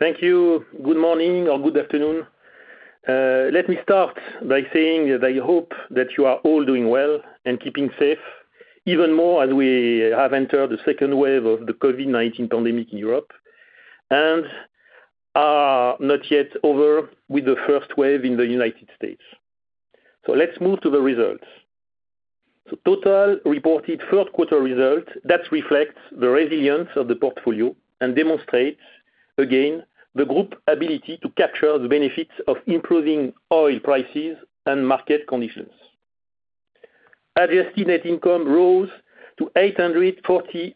Thank you. Good morning or good afternoon. Let me start by saying that I hope that you are all doing well and keeping safe, even more as we have entered the second wave of the COVID-19 pandemic in Europe and are not yet over with the first wave in the U.S. Let's move to the results. Total reported third quarter results that reflects the resilience of the portfolio and demonstrates again the group ability to capture the benefits of improving oil prices and market conditions. Adjusted net income rose to $848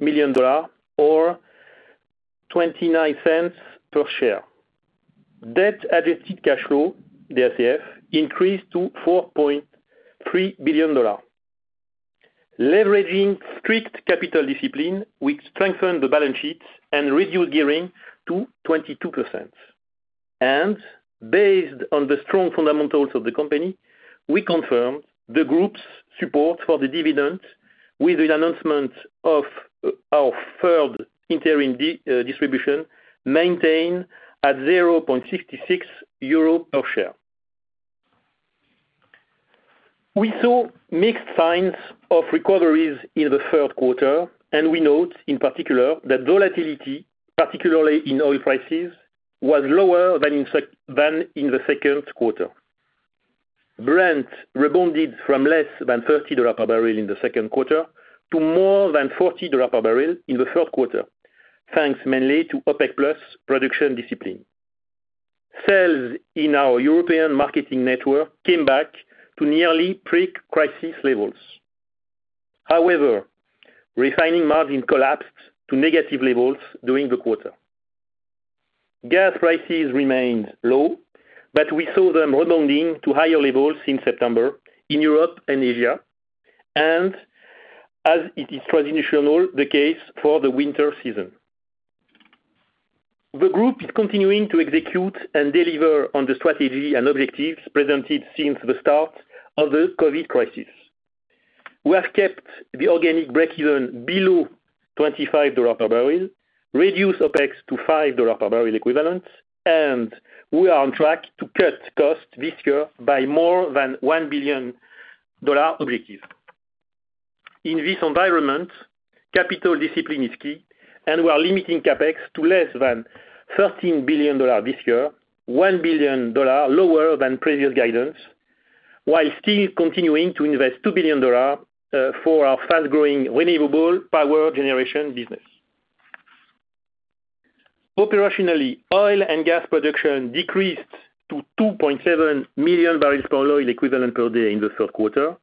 million, or $0.29 per share. Debt-adjusted cash flow, DACF, increased to $4.3 billion. Leveraging strict capital discipline, we strengthened the balance sheet and reduced gearing to 22%. Based on the strong fundamentals of the company, we confirmed the group's support for the dividend with the announcement of our third interim distribution maintained at 0.66 euro per share. We saw mixed signs of recoveries in the third quarter, and we note in particular, that volatility, particularly in oil prices, was lower than in the second quarter. Brent rebounded from less than $30 a barrel in the second quarter to more than $40 a barrel in the third quarter, thanks mainly to OPEC+ production discipline. Sales in our European marketing network came back to nearly pre-crisis levels. However, refining margin collapsed to negative levels during the quarter. Gas prices remained low, but we saw them rebounding to higher levels in September in Europe and Asia, and as it is traditional, the case for the winter season. The group is continuing to execute and deliver on the strategy and objectives presented since the start of the COVID-19 crisis. We have kept the organic breakeven below $25 per barrel, reduced OpEx to $5 per barrel equivalent, and we are on track to cut costs this year by more than $1 billion objectives. In this environment, capital discipline is key, and we are limiting CapEx to less than $13 billion this year, $1 billion lower than previous guidance, while still continuing to invest $2 billion for our fast-growing renewable power generation business. Operationally, oil and gas production decreased to 2.7 million barrels per oil equivalent per day in the third quarter.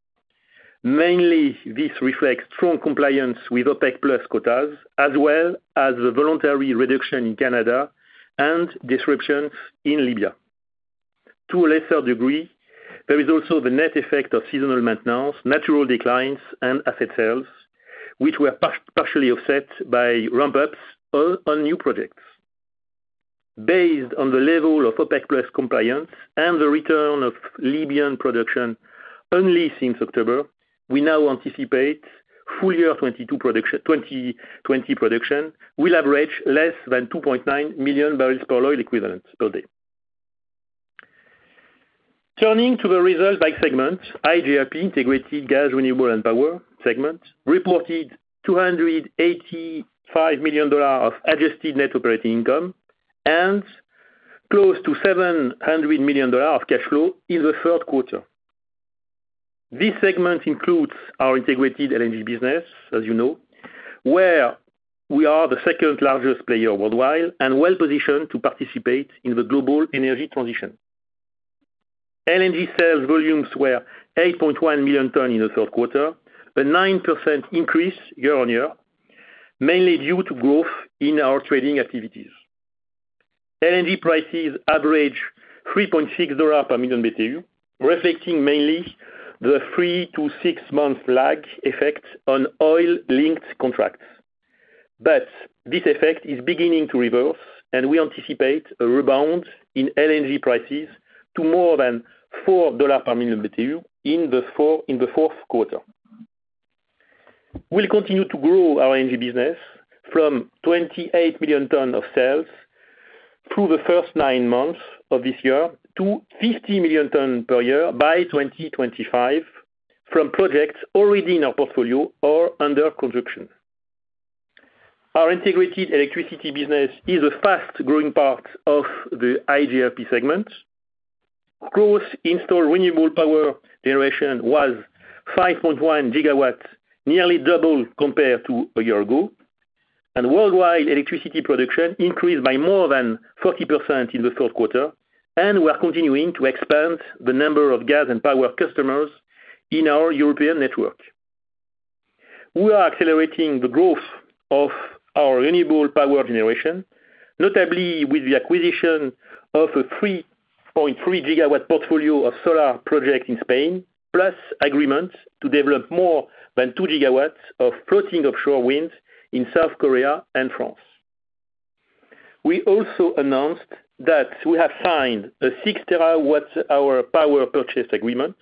Mainly, this reflects strong compliance with OPEC+ quotas, as well as the voluntary reduction in Canada and disruptions in Libya. To a lesser degree, there is also the net effect of seasonal maintenance, natural declines, and asset sales, which were partially offset by ramp-ups on new projects. Based on the level of OPEC+ compliance and the return of Libyan production only since October, we now anticipate full year 2020 production will average less than 2.9 million barrels per oil equivalent per day. Turning to the results by segment, iGRP, Integrated Gas, Renewables & Power segment, reported EUR 285 million of adjusted net operating income and close to EUR 700 million of cash flow in the third quarter. This segment includes our integrated LNG business, as you know, where we are the second largest player worldwide and well-positioned to participate in the global energy transition. LNG sales volumes were 8.1 million tons in the third quarter, a 9% increase year-on-year, mainly due to growth in our trading activities. LNG prices averaged EUR 3.6 per million BTU, reflecting mainly the three to six-month lag effect on oil-linked contracts. This effect is beginning to reverse, and we anticipate a rebound in LNG prices to more than EUR 4 per million BTU in the fourth quarter. We'll continue to grow our LNG business from 28 million tons of sales through the first nine months of this year to 50 million tons per year by 2025 from projects already in our portfolio or under construction. Our integrated electricity business is a fast-growing part of the iGRP segment. Gross installed renewable power generation was 5.1 GW, nearly double compared to a year ago, and worldwide electricity production increased by more than 30% in the third quarter, and we are continuing to expand the number of gas and power customers in our European network. We are accelerating the growth of our renewable power generation, notably with the acquisition of a 3.3-GW portfolio of solar projects in Spain, plus agreements to develop more than 2 GW of floating offshore wind in South Korea and France. We also announced that we have signed a 6 TW power purchase agreement.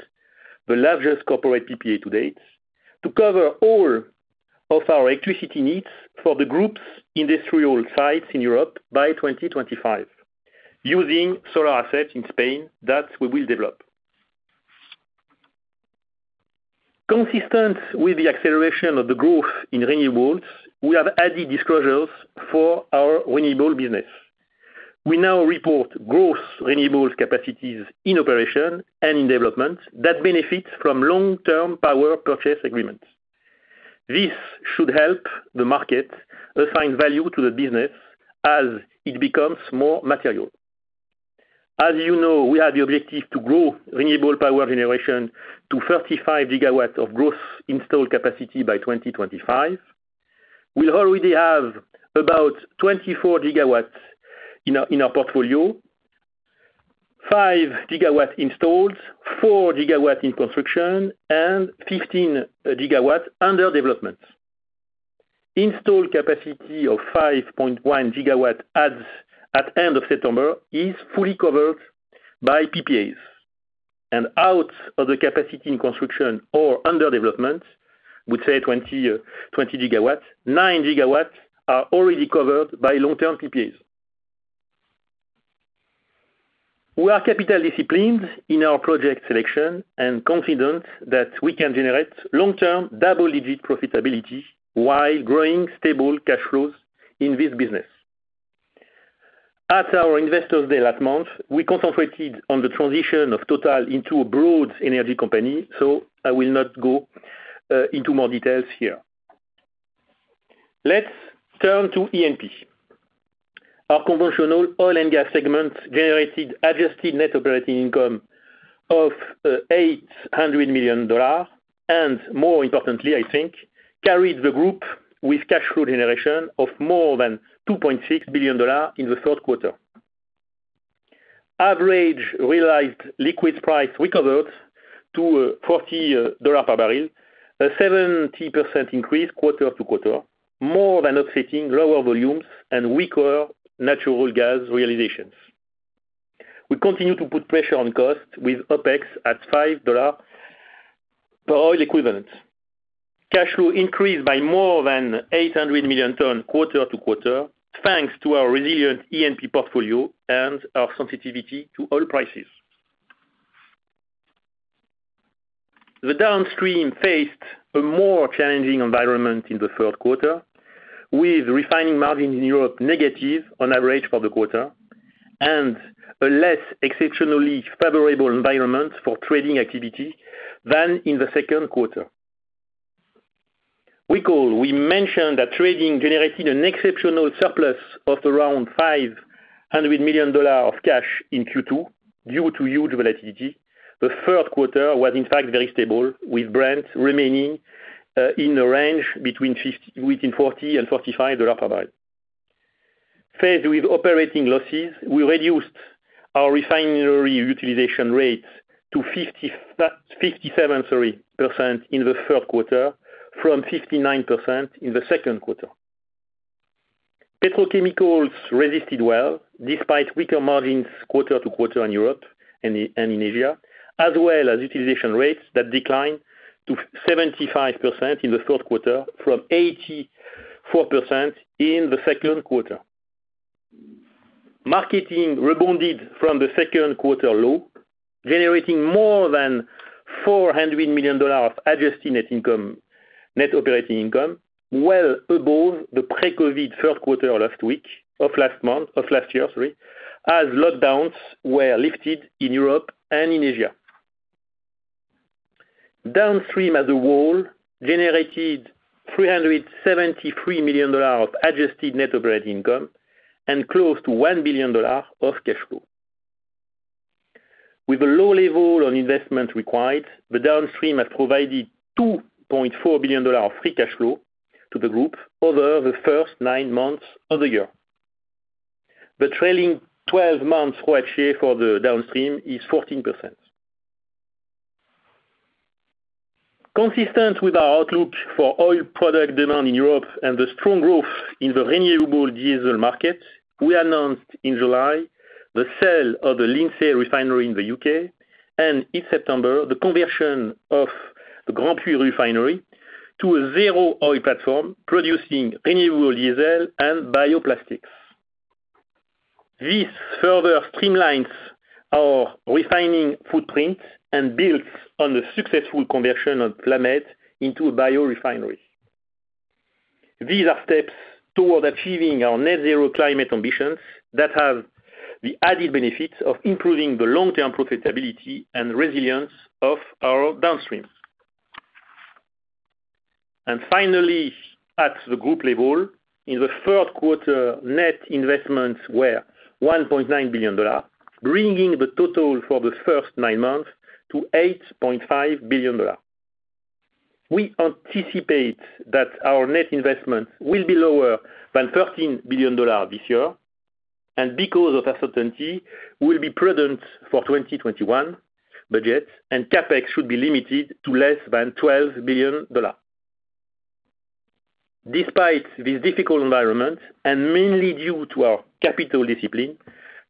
The largest corporate PPA to date to cover all of our electricity needs for the group's industrial sites in Europe by 2025 using solar assets in Spain that we will develop. Consistent with the acceleration of the growth in renewables, we have added disclosures for our renewable business. We now report gross renewables capacities in operation and in development that benefit from long-term power purchase agreements. This should help the market assign value to the business as it becomes more material. As you know, we have the objective to grow renewable power generation to 35 GW of growth installed capacity by 2025. We already have about 24 GW in our portfolio, 5 GW installed, 4 GW in construction, and 15 GW under development. Installed capacity of 5.1 GW as at end of September is fully covered by PPAs. Out of the capacity in construction or under development, we say 20 GW, 9 GW are already covered by long-term PPAs. We are capital disciplined in our project selection and confident that we can generate long-term double-digit profitability while growing stable cash flows in this business. At our Investors Day last month, we concentrated on the transition of TotalEnergies into a broad energy company, so I will not go into more details here. Let's turn to E&P. Our Conventional Oil and Gas segment generated adjusted net operating income of $800 million, and more importantly, I think, carried the group with cash flow generation of more than $2.6 billion in the third quarter. Average realized liquids price recovered to $40 per barrel, a 70% increase quarter-to-quarter, more than offsetting lower volumes and weaker natural gas realizations. We continue to put pressure on costs with OpEx at $5 per oil equivalent. Cash flow increased by more than $800 million quarter-to-quarter, thanks to our resilient E&P portfolio and our sensitivity to oil prices. The downstream faced a more challenging environment in the third quarter, with refining margins in Europe negative on average for the quarter and a less exceptionally favorable environment for trading activity than in the second quarter. Recall, we mentioned that trading generated an exceptional surplus of around $500 million of cash in Q2 due to huge volatility. The third quarter was in fact very stable, with Brent remaining in a range between $40 and $45 a barrel. Faced with operating losses, we reduced our refinery utilization rates to 57% in the third quarter from 59% in the second quarter. Petrochemicals resisted well despite weaker margins quarter-to-quarter in Europe and in Asia, as well as utilization rates that declined to 75% in the third quarter from 84% in the second quarter. Marketing rebounded from the second quarter low, generating more than $400 million of adjusted net operating income, well above the pre-COVID-19 third quarter of last year, as lockdowns were lifted in Europe and in Asia. Downstream as a whole generated EUR 373 million of adjusted net operating income and close to EUR 1 billion of cash flow. With a low level on investment required, the downstream has provided EUR 2.4 billion of free cash flow to the group over the first nine months of the year. The trailing 12 months ratio for the downstream is 14%. Consistent with our outlook for oil product demand in Europe and the strong growth in the renewable diesel market, we announced in July the sale of the Lindsey Oil Refinery in the U.K., and in September, the conversion of the Grandpuits refinery to a zero oil platform producing renewable diesel and bioplastics. This further streamlines our refining footprint and builds on the successful conversion of La Mède into a biorefinery. These are steps toward achieving our net zero climate ambitions that have the added benefits of improving the long-term profitability and resilience of our downstream. Finally, at the group level, in the third quarter, net investments were EUR 1.9 billion, bringing the total for the first nine months to EUR 8.5 billion. We anticipate that our net investment will be lower than EUR 13 billion this year. Because of uncertainty, we will be prudent for 2021 budget and CapEx should be limited to less than EUR 12 billion. Despite this difficult environment, mainly due to our capital discipline,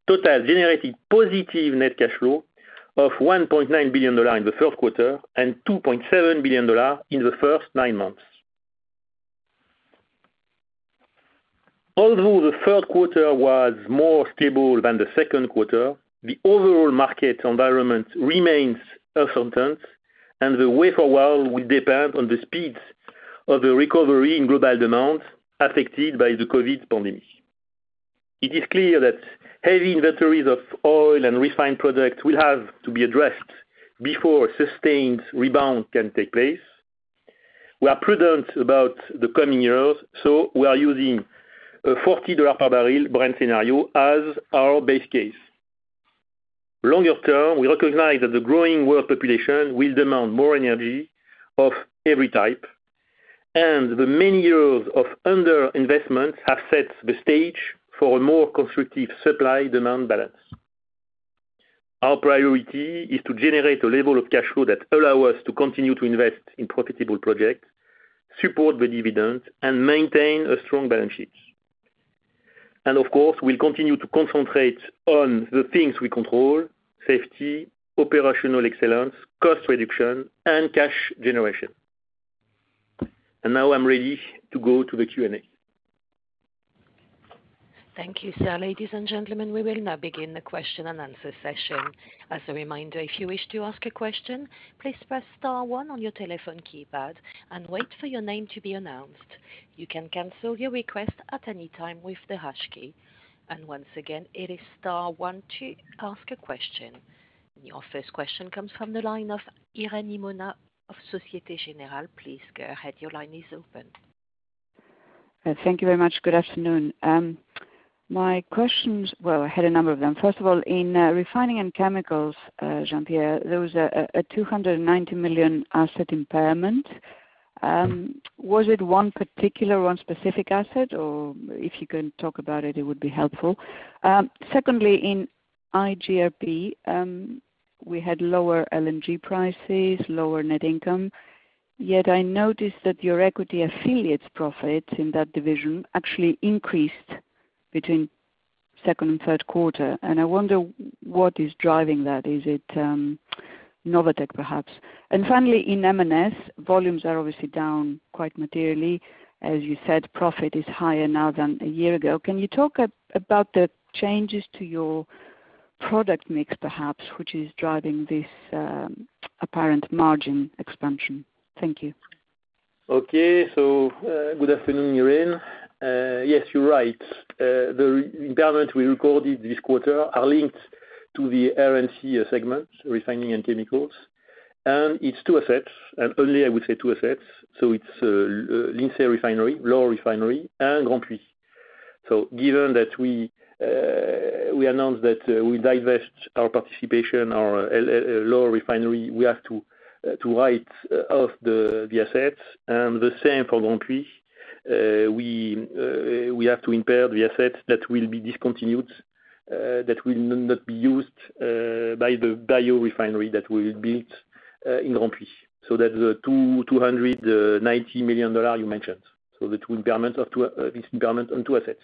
TotalEnergies generated positive net cash flow of EUR 1.9 billion in the third quarter and EUR 2.7 billion in the first nine months. Although the third quarter was more stable than the second quarter, the overall market environment remains uncertain, and the way forward will depend on the speed of the recovery in global demand affected by the COVID-19 pandemic. It is clear that heavy inventories of oil and refined products will have to be addressed before a sustained rebound can take place. We are prudent about the coming years, so we are using a EUR 40 per barrel Brent scenario as our base case. Longer term, we recognize that the growing world population will demand more energy of every type, and the many years of underinvestment have set the stage for a more constructive supply-demand balance. Our priority is to generate a level of cash flow that allows us to continue to invest in profitable projects, support the dividend, and maintain a strong balance sheet. Of course, we'll continue to concentrate on the things we control: safety, operational excellence, cost reduction, and cash generation. Now I'm ready to go to the Q&A. Thank you, sir. Ladies and gentlemen, we will now begin the question-and-answer session. As a reminder, if you wish to ask a question, please press star one on your telephone keypad and wait for your name to be announced. You can cancel your request at any time with the hash key. Once again, it is star one to ask a question. Your first question comes from the line of Irene Himona of Société Générale. Please go ahead. Your line is open. Thank you very much. Good afternoon. My questions, well, I had a number of them. First of all, in Refining & Chemicals, Jean-Pierre, there was a 290 million asset impairment. Was it one particular, one specific asset? If you can talk about it would be helpful. Secondly, in iGRP, we had lower LNG prices, lower net income, yet I noticed that your equity affiliates profit in that division actually increased between second and third quarter, and I wonder what is driving that. Is it Novatek, perhaps? Finally, in M&S, volumes are obviously down quite materially. As you said, profit is higher now than a year ago. Can you talk about the changes to your product mix, perhaps, which is driving this apparent margin expansion? Thank you. Okay. Good afternoon, Irene. Yes, you're right. The impairment we recorded this quarter are linked to the R&C segment, Refining & Chemicals. It's two assets, and only, I would say, two assets. It's Lindsey Oil Refinery, LOR Refinery, and Grandpuits. Given that we announced that we divest our participation, our LOR Refinery, we have to write off the assets. The same for Grandpuits. We have to impair the assets that will be discontinued, that will not be used by the biorefinery that we built in Grandpuits. That's the EUR 290 million you mentioned. The two impairments on two assets.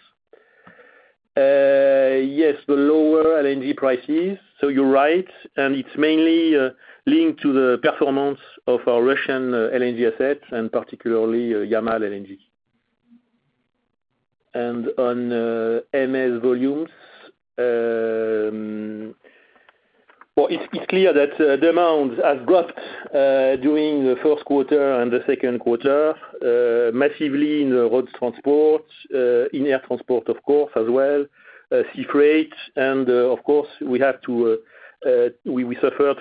Yes, the lower LNG prices. You're right, it's mainly linked to the performance of our Russian LNG assets, and particularly Yamal LNG. On M&S volumes, it's clear that demand has dropped during the first quarter and the second quarter massively in road transport, in air transport, of course, as well, sea freight, and of course, we suffered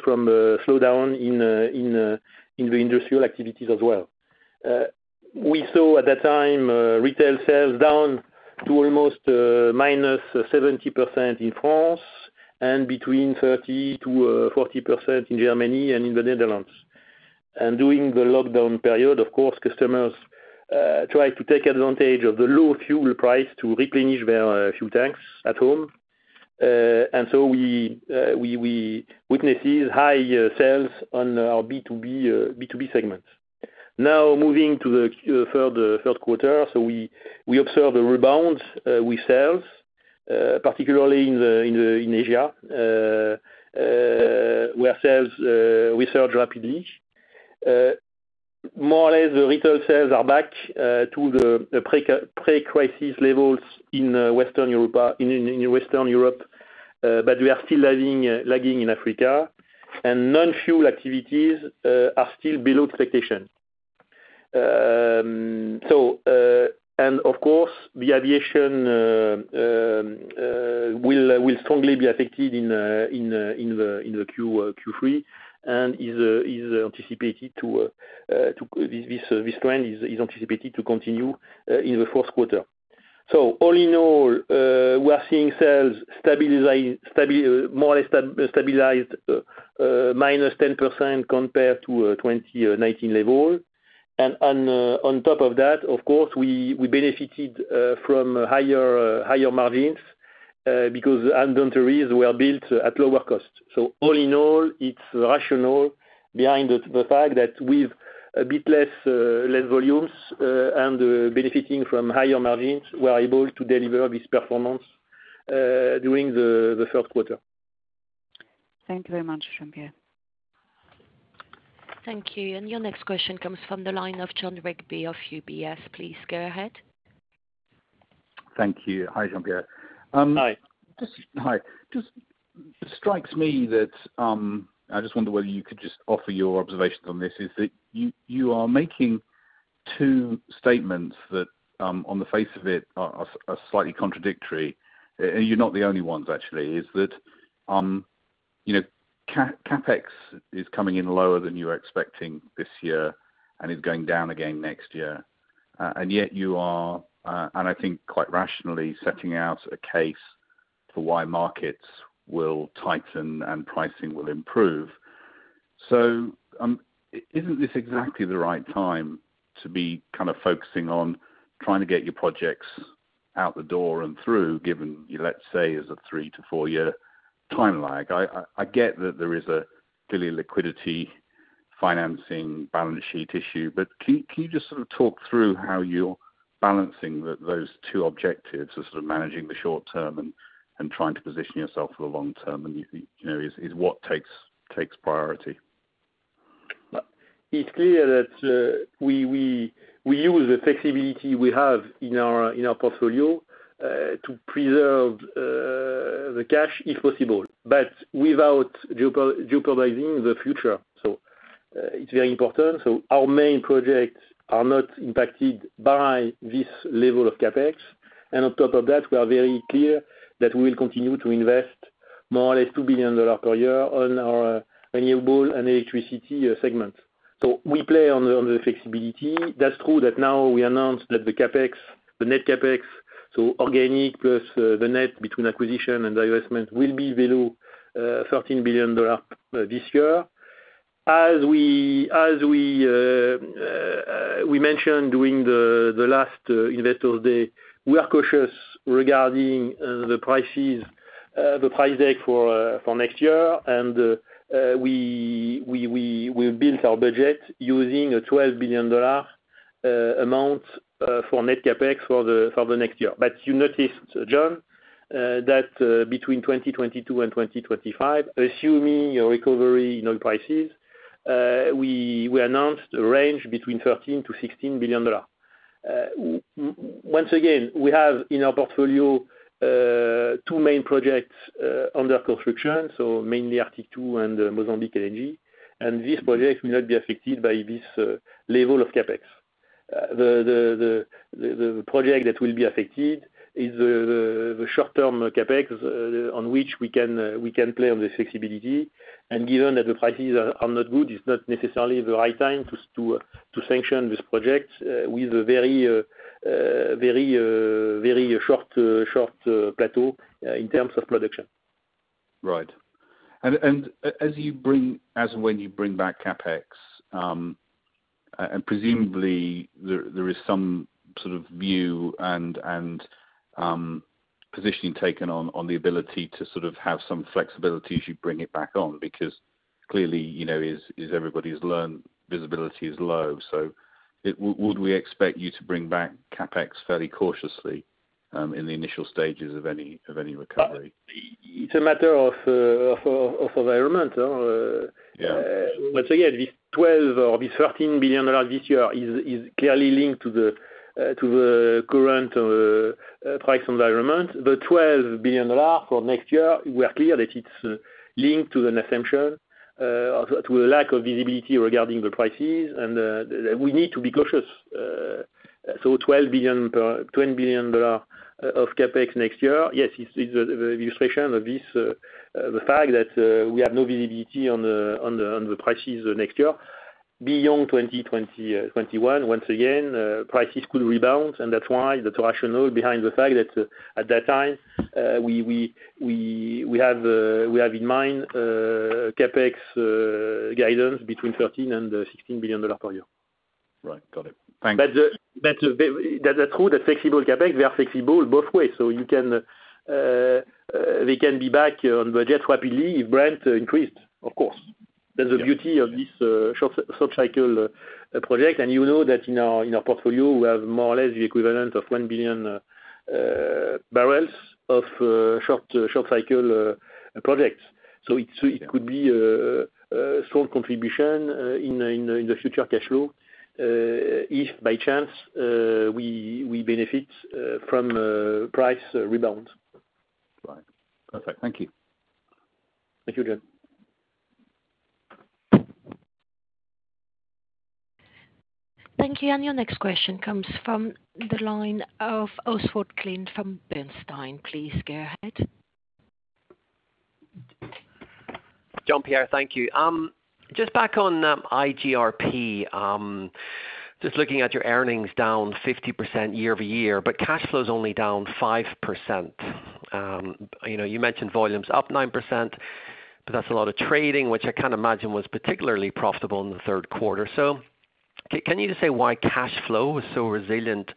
from a slowdown in the industrial activities as well. We saw at that time retail sales down to almost -70% in France and between 30%-40% in Germany and in the Netherlands. During the lockdown period, of course, customers tried to take advantage of the low fuel price to replenish their fuel tanks at home. We witnessed high sales on our B2B segment. Now, moving to the third quarter, we observed a rebound with sales, particularly in Asia, where sales resurged rapidly. More or less, the retail sales are back to the pre-crisis levels in Western Europe, but we are still lagging in Africa, and non-fuel activities are still below expectations. Of course, the aviation will strongly be affected in the Q3 and this trend is anticipated to continue in the fourth quarter. All in all, we are seeing sales more or less stabilized, -10% compared to 2019 levels. On top of that, of course, we benefited from higher margins. Because the inventory were built at lower cost. All in all, it's rational behind the fact that with a bit less volumes and benefiting from higher margins, we are able to deliver this performance during the third quarter. Thank you very much, Jean-Pierre. Thank you. Your next question comes from the line of Jon Rigby of UBS. Please go ahead. Thank you. Hi, Jean-Pierre. Hi. Hi. Just strikes me that, I just wonder whether you could just offer your observations on this, is that you are making two statements that, on the face of it, are slightly contradictory. You're not the only ones actually, is that, CapEx is coming in lower than you are expecting this year and is going down again next year. Yet you are, and I think quite rationally, setting out a case for why markets will tighten and pricing will improve. Isn't this exactly the right time to be focusing on trying to get your projects out the door and through given, let's say, as a three- to four-year time lag? I get that there is a clearly liquidity financing balance sheet issue. Can you just sort of talk through how you're balancing those two objectives of sort of managing the short term and trying to position yourself for the long term? Is what takes priority? It's clear that we use the flexibility we have in our portfolio, to preserve the cash if possible, but without jeopardizing the future. It's very important. Our main projects are not impacted by this level of CapEx. On top of that, we are very clear that we will continue to invest more or less EUR 2 billion per year on our renewable and electricity segments. We play on the flexibility. That's true that now we announced that the CapEx, the net CapEx, so organic plus the net between acquisition and divestment, will be below EUR 13 billion this year. As we mentioned during the last investor day, we are cautious regarding the prices, the price tag for next year. We've built our budget using a EUR 12 billion amount for net CapEx for the next year. You noticed, Jon, that between 2022 and 2025, assuming a recovery in oil prices, we announced a range between EUR 13 billion-EUR 16 billion. Once again, we have in our portfolio, two main projects under construction, so mainly Arctic-2 and Mozambique LNG. This project will not be affected by this level of CapEx. The project that will be affected is the short-term CapEx, on which we can play on the flexibility. Given that the prices are not good, it's not necessarily the right time to sanction this project, with a very short plateau in terms of production. Right. As and when you bring back CapEx, and presumably there is some sort of view and positioning taken on the ability to have some flexibility as you bring it back on, because clearly, as everybody's learned, visibility is low. Would we expect you to bring back CapEx fairly cautiously, in the initial stages of any recovery? It's a matter of environment, no? Yeah. Again, this 12 or this EUR 13 billion this year is clearly linked to the current price environment. The EUR 12 billion for next year, we are clear that it's linked to an assumption, to a lack of visibility regarding the prices and we need to be cautious. 12 billion of CapEx next year. Yes, it's the illustration of this, the fact that we have no visibility on the prices next year. Beyond 2021, once again, prices could rebound, and that's why the rationale behind the fact that at that time we have in mind CapEx guidance between 13 and EUR 16 billion per year. Right. Got it. Thank you. That's true, that flexible CapEx, we are flexible both ways. They can be back on budget rapidly if Brent increased, of course. You know that in our portfolio, we have more or less the equivalent of one billion barrels of short cycle projects. It could be a strong contribution in the future cash flow, if by chance, we benefit from price rebound. Right. Perfect. Thank you. Thank you, Jon. Thank you. Your next question comes from the line of Oswald Clint from Bernstein. Please go ahead. Jean-Pierre, thank you. Just back on iGRP. Just looking at your earnings down 50% year-over-year, but cash flow's only down 5%. You mentioned volumes up 9%, but that's a lot of trading, which I can't imagine was particularly profitable in the third quarter. Can you just say why cash flow was so resilient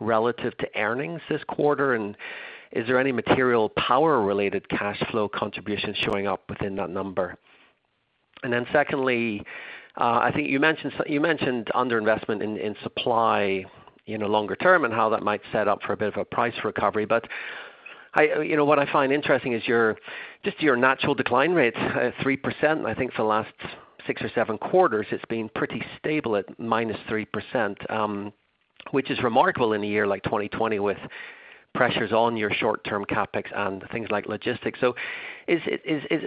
relative to earnings this quarter? Is there any material power-related cash flow contribution showing up within that number? Then secondly, I think you mentioned underinvestment in supply longer term and how that might set up for a bit of a price recovery. What I find interesting is just your natural decline rates, 3%. I think for the last six or seven quarters, it's been pretty stable at -3%, which is remarkable in a year like 2020 with pressures on your short-term CapEx and things like logistics. Is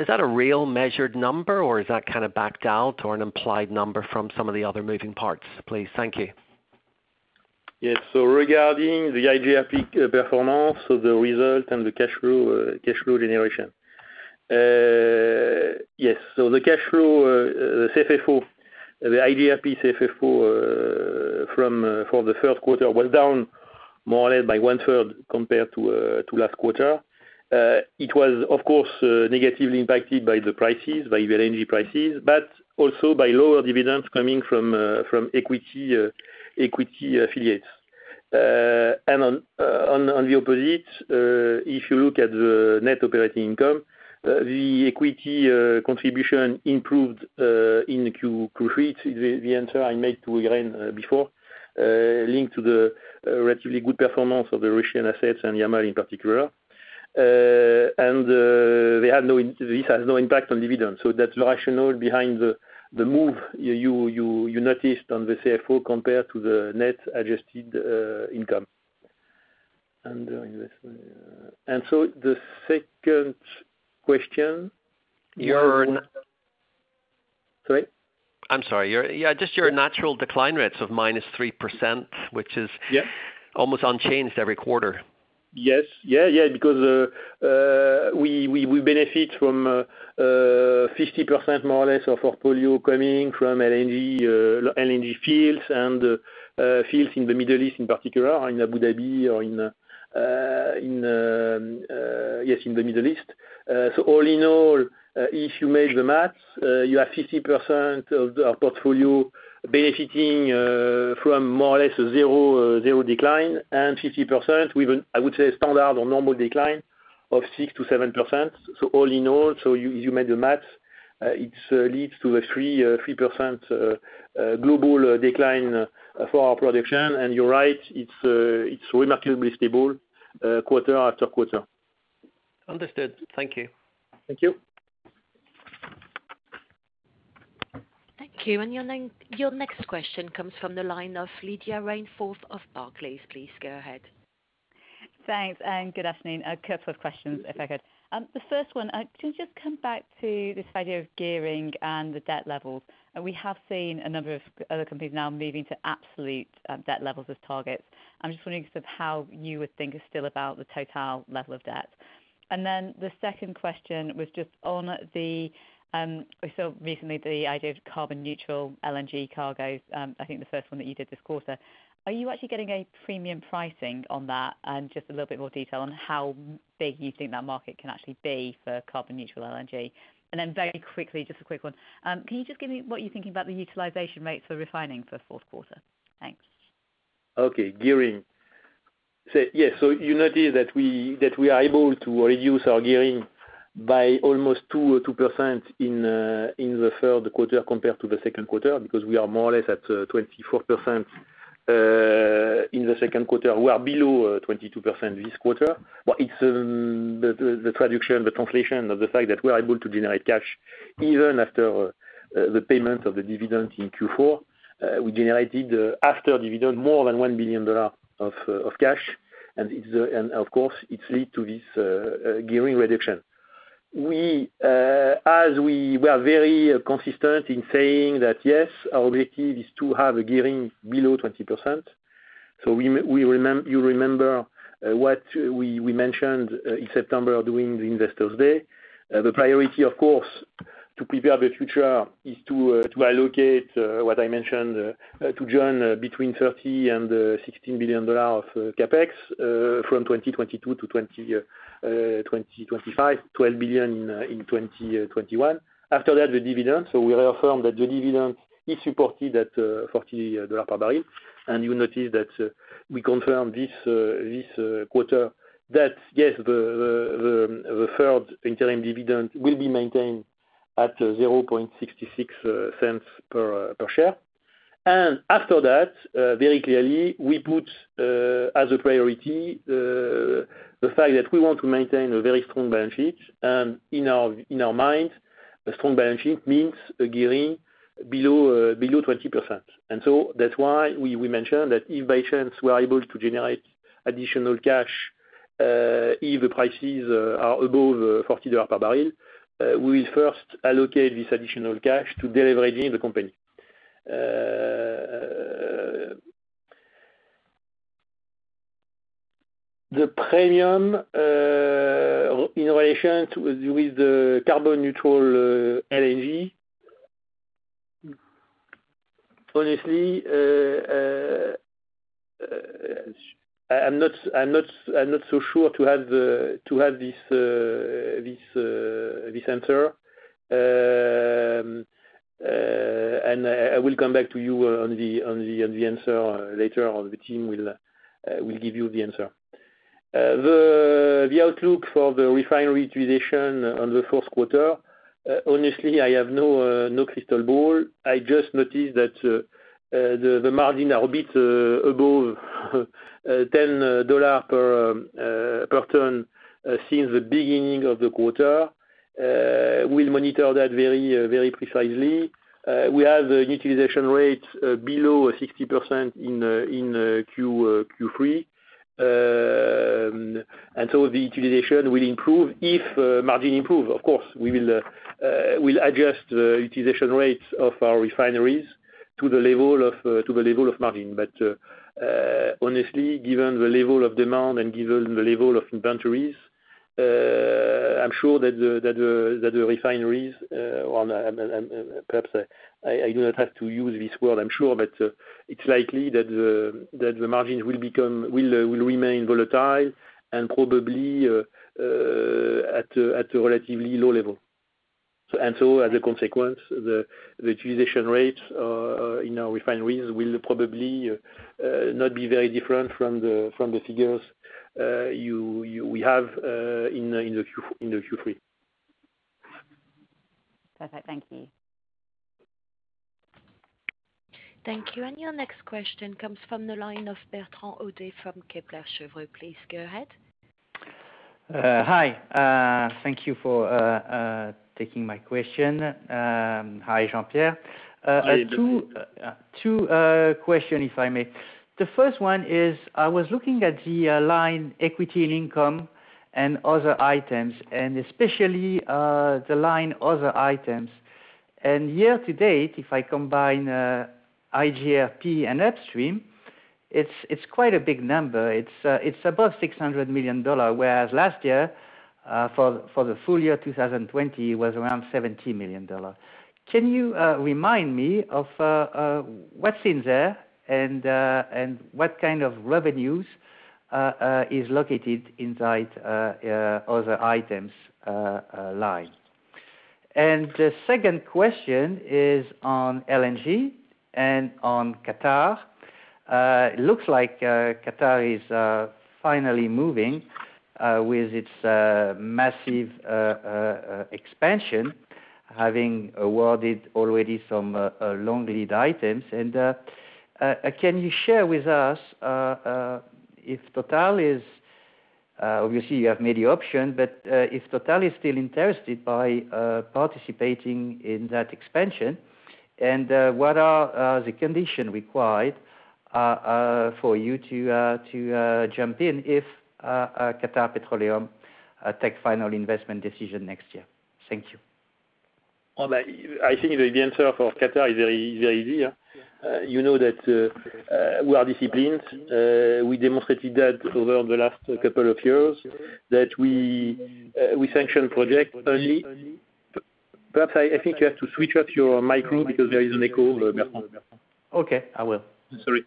that a real measured number, or is that backed out, or an implied number from some of the other moving parts, please? Thank you. Yes. Regarding the iGRP performance, the result and the cash flow generation. Yes. The cash flow, the iGRP CFFO, for the third quarter was down more or less by one third compared to last quarter. It was, of course, negatively impacted by the prices, by LNG prices, also by lower dividends coming from equity affiliates. On the opposite, if you look at the net operating income, the equity contribution improved in Q3. The answer I made to Irene before, linked to the relatively good performance of the Russian assets and Yamal in particular. This has no impact on dividends. That's the rationale behind the move you noticed on the CFFO compared to the net adjusted income. The second question? Your. Sorry? I'm sorry. Yeah, just your natural decline rates of -3%. Yeah Almost unchanged every quarter. Yes. We benefit from 50% more or less of our portfolio coming from LNG fields and fields in the Middle East in particular, in Abu Dhabi or in the Middle East. All in all, if you make the math, you have 50% of the portfolio benefiting from more or less zero decline, and 50% with, I would say, standard or normal decline of 6%-7%. All in all, you make the math, it leads to a 3% global decline for our production. You're right, it's remarkably stable quarter-after-quarter. Understood. Thank you. Thank you. Thank you. Your next question comes from the line of Lydia Rainforth of Barclays. Please go ahead. Thanks. Good afternoon. A couple of questions, if I could. The first one, can you just come back to this idea of gearing and the debt levels? We have seen a number of other companies now moving to absolute debt levels as targets. I'm just wondering sort of how you would think still about the total level of debt. The second question was just on the, so recently the idea of carbon neutral LNG cargoes, I think the first one that you did this quarter. Are you actually getting a premium pricing on that? Just a little bit more detail on how big you think that market can actually be for carbon neutral LNG. Very quickly, just a quick one. Can you just give me what you're thinking about the utilization rates for refining for the fourth quarter? Thanks. Okay. Gearing. Yes. You notice that we are able to reduce our gearing by almost 2% in the third quarter compared to the second quarter, because we are more or less at 24% in the second quarter. We are below 22% this quarter. It's the translation of the fact that we're able to generate cash even after the payment of the dividend in Q4. We generated, after dividend, more than EUR 1 billion of cash. Of course, it led to this gearing reduction. We were very consistent in saying that, yes, our objective is to have a gearing below 20%. You remember what we mentioned in September during the Investors Day. The priority, of course, to prepare the future is to allocate what I mentioned, to join between 13 billion and EUR 16 billion of CapEx from 2022 to 2025, 12 billion in 2021. After that, the dividend. We reaffirmed that the dividend is supported at $40 per barrel. You notice that we confirmed this quarter that, yes, the third interim dividend will be maintained at 0.66 per share. After that, very clearly, we put as a priority the fact that we want to maintain a very strong balance sheet. In our mind, a strong balance sheet means a gearing below 20%. That's why we mentioned that if by chance we're able to generate additional cash, if the prices are above $40 per barrel, we will first allocate this additional cash to de-leveraging the company. The premium in relation with the carbon neutral LNG, honestly, I'm not so sure to have this answer. I will come back to you on the answer later, or the team will give you the answer. The outlook for the refinery utilization on the fourth quarter, honestly, I have no crystal ball. I just noticed that the margin a bit above EUR 10 per ton since the beginning of the quarter. We'll monitor that very precisely. We have a utilization rate below 60% in Q3. The utilization will improve, if margin improve. Of course, we'll adjust the utilization rates of our refineries to the level of margin. But honestly, given the level of demand and given the level of inventories, Perhaps, I do not have to use this word. I'm sure, but it's likely that the margins will remain volatile and probably at a relatively low level. As a consequence, the utilization rates in our refineries will probably not be very different from the figures we have in the Q3. Perfect. Thank you. Thank you. Your next question comes from the line of Bertrand Hodée from Kepler Cheuvreux. Please go ahead. Hi. Thank you for taking my question. Hi, Jean-Pierre. Hi, Bertrand. Two question, if I may. The first one is, I was looking at the line equity in income and other items, and especially the line other items. Year to date, if I combine iGRP and Upstream, it's quite a big number. It's above EUR 600 million, whereas last year, for the full year 2020, was around EUR 70 million. Can you remind me of what's in there and what kind of revenues is located inside other items line? The second question is on LNG and on Qatar. It looks like Qatar is finally moving with its massive expansion, having awarded already some long lead items. Can you share with us if TotalEnergies is, obviously, you have many option, but if TotalEnergies is still interested by participating in that expansion, and what are the condition required for you to jump in if Qatar Petroleum take final investment decision next year? Thank you. I think the answer for Qatar is very easy. You know that we are disciplined. We demonstrated that over the last couple of years, that we sanction project only. Perhaps, I think you have to switch off your micro because there is an echo, Bertrand. Okay, I will. Sorry.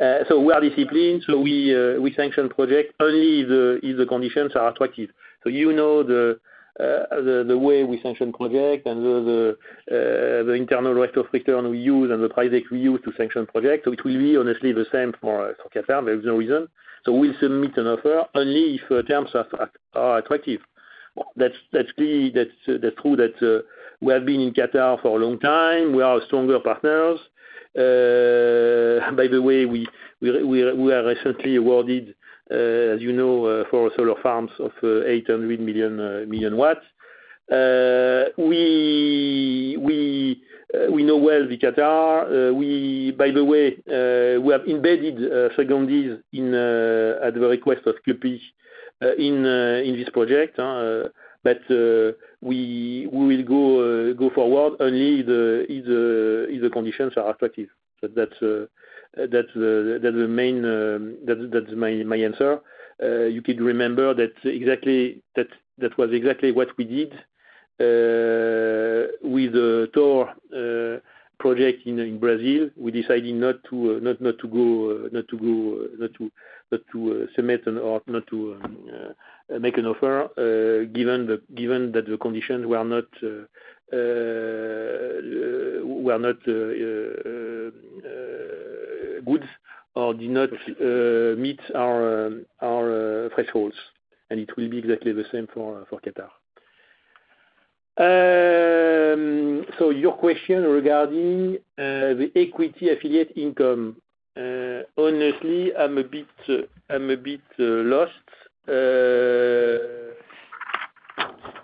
We are disciplined, so we sanction project only if the conditions are attractive. You know the way we sanction project, and the internal rate of return we use and the price we use to sanction project, which will be honestly the same for Qatar. There is no reason. We'll submit an offer only if terms are attractive. That's clear. That's true that we have been in Qatar for a long time. We are stronger partners. By the way, we are recently awarded, as you know, for solar farms of 800 MW. We know well the Qatar. By the way, we have embedded secondees at the request of QP in this project. We will go forward only if the conditions are attractive. That's my answer. You could remember that was exactly what we did with Búzios project in Brazil. We decided not to submit an offer, not to make an offer given that the conditions were not good or did not meet our thresholds, and it will be exactly the same for Qatar. Your question regarding the equity affiliate income. Honestly, I'm a bit lost.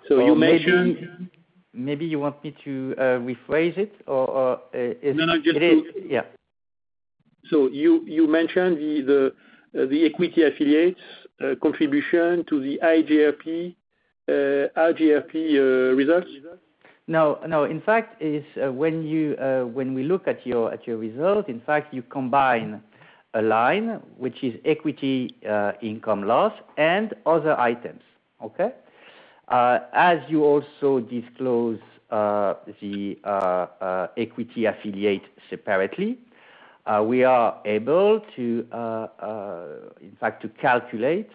You mentioned. Maybe you want me to rephrase it or? No, no. Yeah. You mentioned the equity affiliates contribution to the iGRP results? No. In fact, when we look at your result, in fact, you combine a line which is equity income loss and other items. Okay? As you also disclose the equity affiliate separately, we are able to, in fact, calculate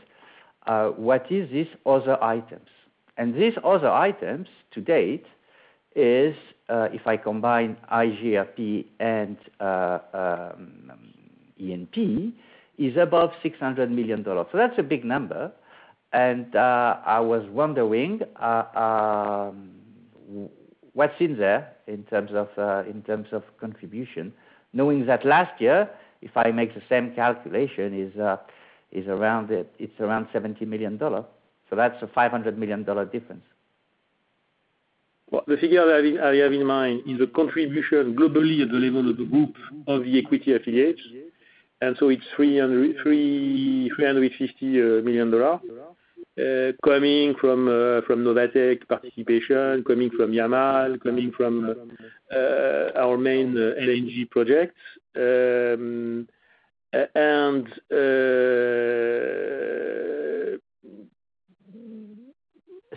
what is this other items. These other items to date is, if I combine iGRP and E&P, is above EUR 600 million. That's a big number, and I was wondering what's in there in terms of contribution. Knowing that last year, if I make the same calculation, it's around EUR 70 million. That's a EUR 500 million difference. Well, the figure that I have in mind is the contribution globally at the level of the group of the equity affiliates. It's EUR 350 million, coming from Novatek participation, coming from Yamal, coming from our main LNG projects.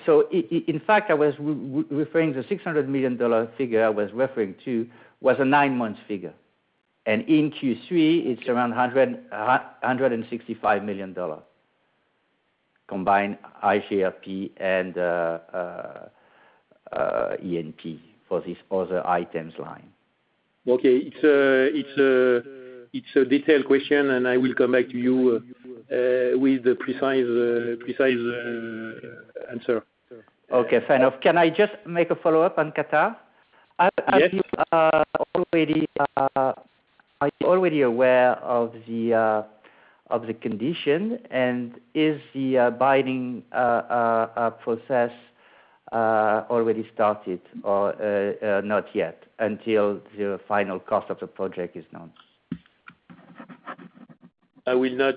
In fact, the EUR 600 million figure I was referring to was a nine-month figure, and in Q3 it's around EUR 165 million, combined iGRP and E&P for this other items line. Okay. It's a detailed question, and I will come back to you with the precise answer. Okay, fair enough. Can I just make a follow-up on Qatar? Yes. Are you already aware of the condition, and is the binding process already started or not yet until the final cost of the project is known? I will not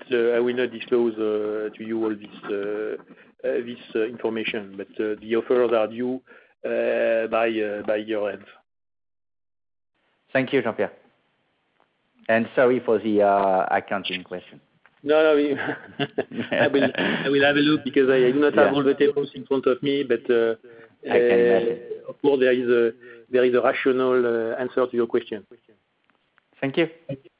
disclose to you all this information. The offers are due by year-end. Thank you, Jean-Pierre. Sorry for the accounting question. No, I will have a look because I do not have all the tables in front of me. I can. Of course, there is a rational answer to your question. Thank you. Thank you.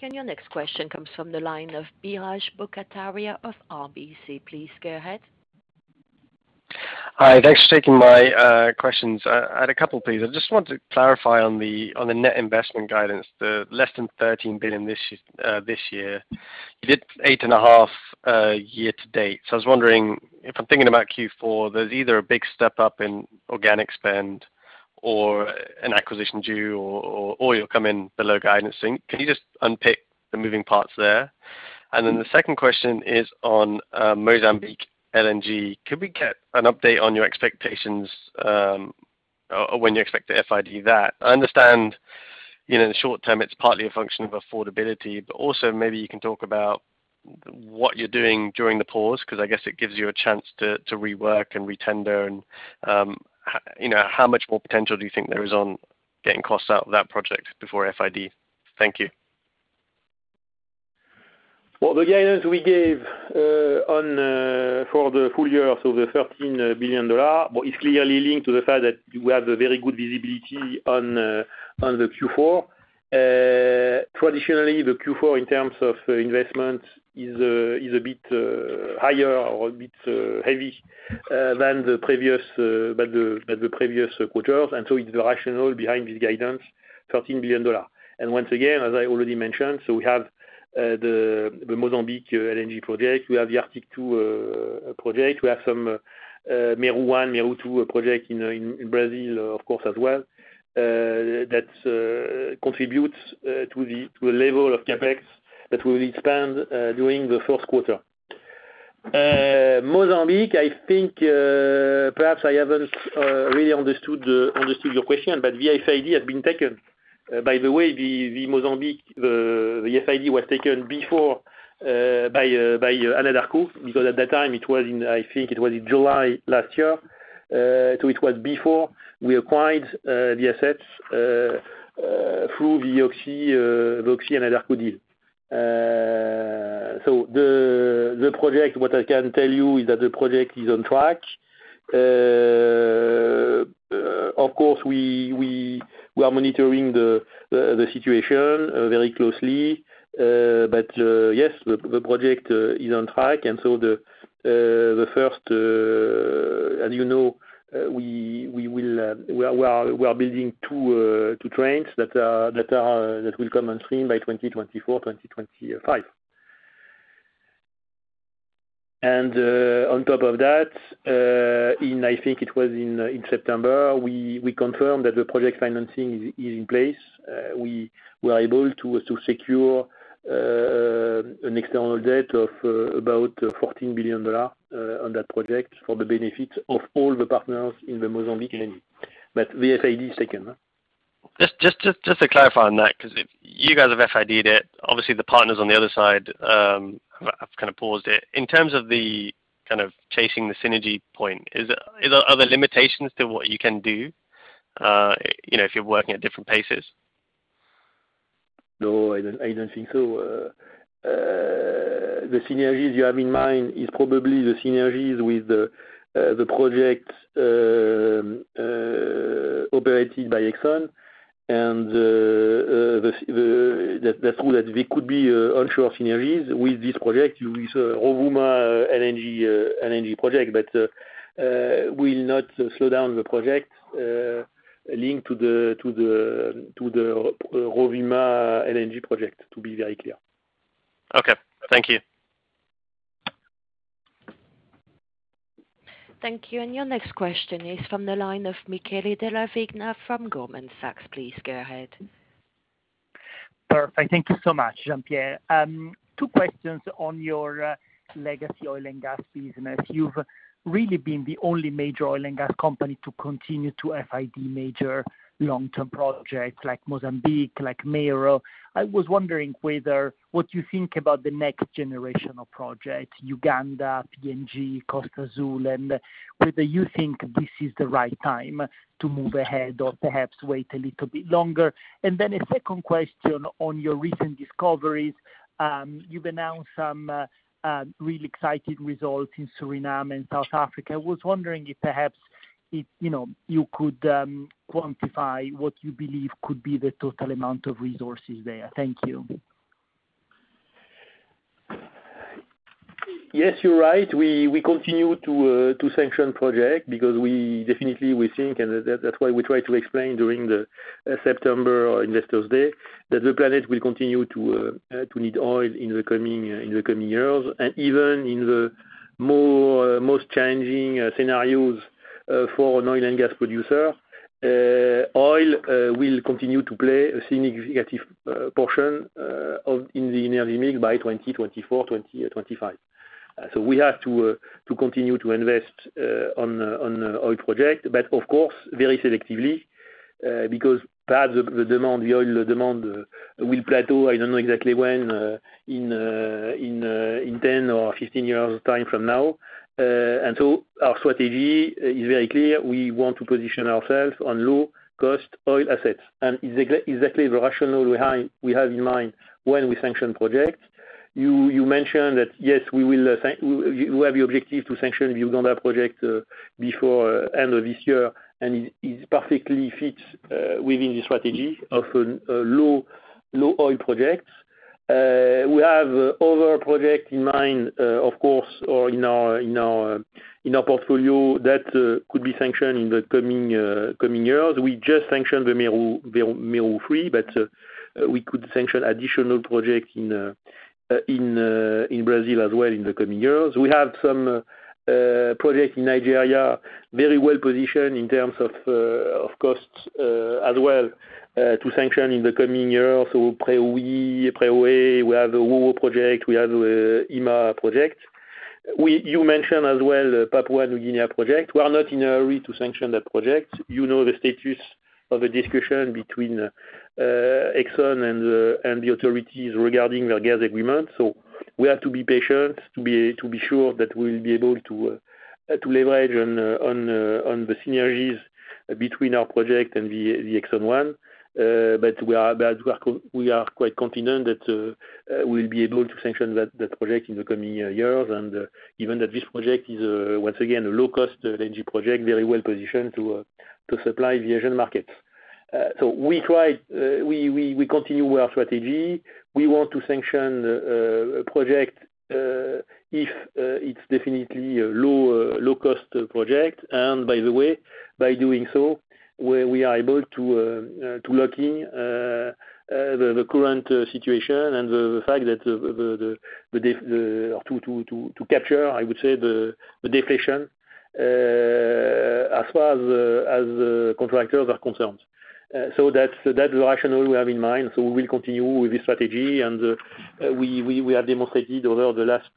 Your next question comes from the line of Biraj Borkhataria of RBC. Please go ahead. Hi, thanks for taking my questions. I had a couple, please. I just wanted to clarify on the net investment guidance, the less than 13 billion this year. You did 8.5 year to date. I was wondering if I'm thinking about Q4, there's either a big step-up in organic spend or an acquisition due or you'll come in below guidance. Can you just unpick the moving parts there? The second question is on Mozambique LNG. Can we get an update on your expectations, or when you expect to FID that? I understand, in the short term, it's partly a function of affordability, but also maybe you can talk about what you're doing during the pause, because I guess it gives you a chance to rework and retender and how much more potential do you think there is on getting costs out of that project before FID? Thank you. Well, the guidance we gave for the full year of EUR 13 billion is clearly linked to the fact that we have a very good visibility on the Q4. Traditionally, the Q4 in terms of investment is a bit higher or a bit heavy than the previous quarters. It's rational behind this guidance, EUR 13 billion. Once again, as I already mentioned, we have the Mozambique LNG project, we have the Arctic-2 project, we have some Mero-1, Mero-2 project in Brazil of course, as well. That contributes to the level of CapEx that we will expand during the fourth quarter. Mozambique, I think, perhaps I haven't really understood your question, the FID has been taken. By the way, the Mozambique, the FID was taken before by Anadarko because at that time, I think it was in July last year. It was before we acquired the assets through the Oxy and Anadarko deal. The project, what I can tell you is that the project is on track. Of course, we are monitoring the situation very closely. Yes, the project is on track. The first, as you know, we are building two trains that will come on stream by 2024, 2025. On top of that, I think it was in September, we confirmed that the project financing is in place. We were able to secure an external debt of about $14 billion on that project for the benefit of all the partners in the Mozambique LNG. The FID is taken. Just to clarify on that, because if you guys have FID'd it, obviously the partners on the other side have kind of paused it. In terms of the kind of chasing the synergy point, are there limitations to what you can do, if you're working at different paces? No, I don't think so. The synergies you have in mind is probably the synergies with the project operated by ExxonMobil. That's true that there could be onshore synergies with this project, with Rovuma LNG project. Will not slow down the project link to the Rovuma LNG project, to be very clear. Okay. Thank you. Thank you. Your next question is from the line of Michele Della Vigna from Goldman Sachs. Please go ahead. Perfect. Thank you so much, Jean-Pierre. Two questions on your legacy oil and gas business. You've really been the only major oil and gas company to continue to FID major long-term projects like Mozambique, like Mero. I was wondering what you think about the next generation of projects, Uganda, PNG, Costa Azul, and whether you think this is the right time to move ahead or perhaps wait a little bit longer. Then a second question on your recent discoveries. You've announced some really exciting results in Suriname and South Africa. I was wondering if perhaps you could quantify what you believe could be the total amount of resources there. Thank you. Yes, you're right. We continue to sanction project because definitely we think, and that's why we try to explain during the September Investors Day, that the planet will continue to need oil in the coming years. Even in the most challenging scenarios for an oil and gas producer, oil will continue to play a significant portion in the energy mix by 2024, 2025. We have to continue to invest on oil project, but of course, very selectively. Because perhaps the oil demand will plateau, I don't know exactly when, in 10 or 15 years time from now. Our strategy is very clear. We want to position ourselves on low cost oil assets. Exactly the rationale we have in mind when we sanction projects. You mentioned that, yes, we have the objective to sanction Uganda project before end of this year, and it perfectly fits within the strategy of low oil projects. We have other projects in mind, of course, in our portfolio that could be sanctioned in the coming years. We just sanctioned the Mero-3, but we could sanction additional projects in Brazil as well in the coming years. We have some projects in Nigeria, very well-positioned in terms of costs as well to sanction in the coming year or so. Preowei, we have the Owowo project, we have the Ima project. You mentioned as well Papua New Guinea project. We are not in a hurry to sanction that project. You know the status of the discussion between Exxon and the authorities regarding their gas agreement. We have to be patient to be sure that we will be able to leverage on the synergies between our project and the ExxonMobil. We are quite confident that we will be able to sanction that project in the coming years. Even that this project is, once again, a low-cost LNG project, very well-positioned to supply the Asian markets. We continue our strategy. We want to sanction a project if it's definitely a low-cost project. By the way, by doing so, we are able to lock in the current situation and the fact to capture, I would say, the deflation, as far as contractors are concerned. That's the rationale we have in mind. We will continue with this strategy, and we have demonstrated over the last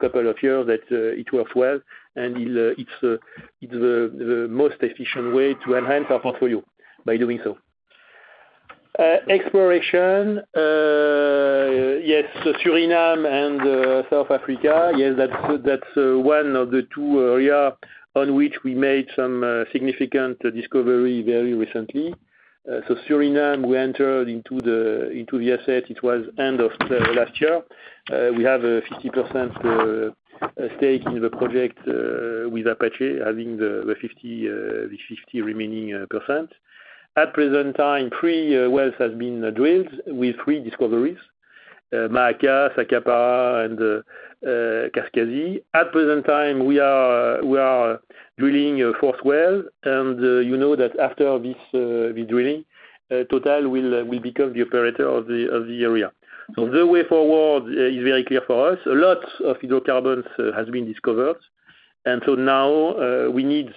couple of years that it works well, and it's the most efficient way to enhance our portfolio by doing so. Exploration. Yes, Suriname and South Africa. Yes, that's one of the two areas on which we made some significant discovery very recently. Suriname, we entered into the asset. It was end of last year. We have a 50% stake in the project with Apache having the 50 remaining percent. At present time, three wells has been drilled with three discoveries. Maka, Sapakara, and Kwaskwasi. At present time, we are drilling a fourth well, and you know that after this drilling, Total will become the operator of the area. The way forward is very clear for us. A lot of hydrocarbons has been discovered. Now we need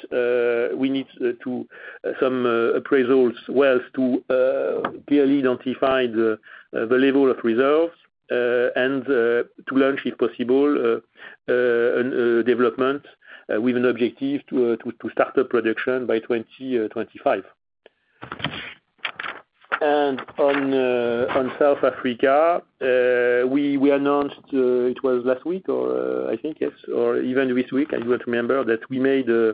some appraisal wells to clearly identify the level of reserves. To launch, if possible, a development with an objective to start up production by 2025. On South Africa, we announced, it was last week, or I think, yes, or even this week, I don't remember, that we made a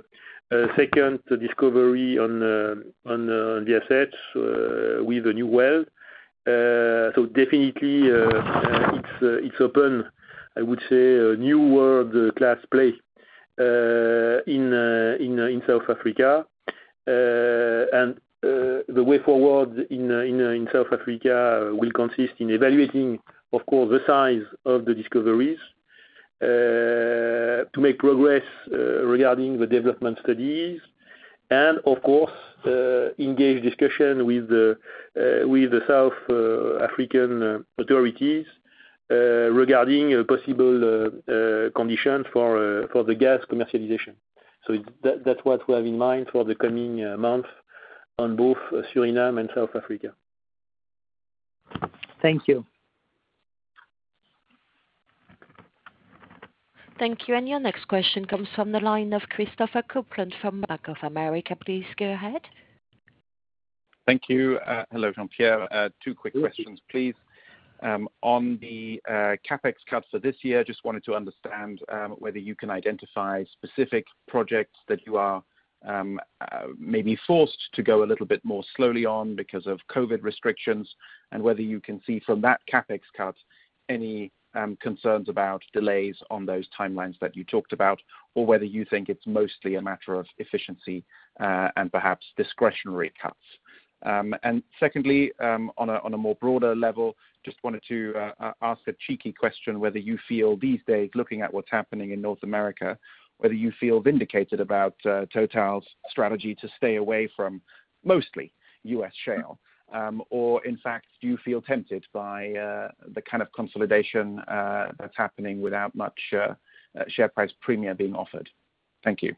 second discovery on the assets with a new well. Definitely, it's open, I would say, a new world-class play in South Africa. The way forward in South Africa will consist in evaluating, of course, the size of the discoveries to make progress regarding the development studies and, of course, engage discussion with the South African authorities regarding a possible condition for the gas commercialization. That's what we have in mind for the coming month on both Suriname and South Africa. Thank you. Thank you. Your next question comes from the line of Christopher Kuplent from Bank of America. Please go ahead. Thank you. Hello, Jean-Pierre. Hello. Two quick questions, please. On the CapEx cuts for this year, just wanted to understand whether you can identify specific projects that you are maybe forced to go a little bit more slowly on because of COVID-19 restrictions, and whether you can see from that CapEx cut any concerns about delays on those timelines that you talked about, or whether you think it's mostly a matter of efficiency and perhaps discretionary cuts. Secondly, on a more broader level, just wanted to ask a cheeky question whether you feel these days, looking at what's happening in North America, whether you feel vindicated about TotalEnergies' strategy to stay away from mostly U.S. shale. In fact, do you feel tempted by the kind of consolidation that's happening without much share price premium being offered? Thank you.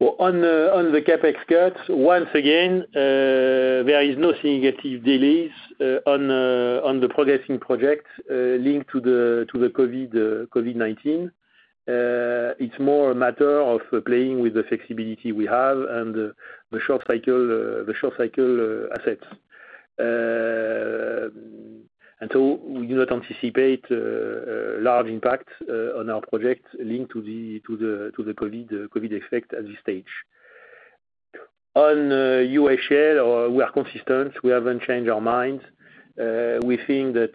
Well, on the CapEx cuts, once again, there is no significant delays on the progressing projects linked to the COVID-19. It's more a matter of playing with the flexibility we have and the short cycle assets. We do not anticipate a large impact on our project linked to the COVID effect at this stage. On U.S. shale, we are consistent. We haven't changed our minds. We think that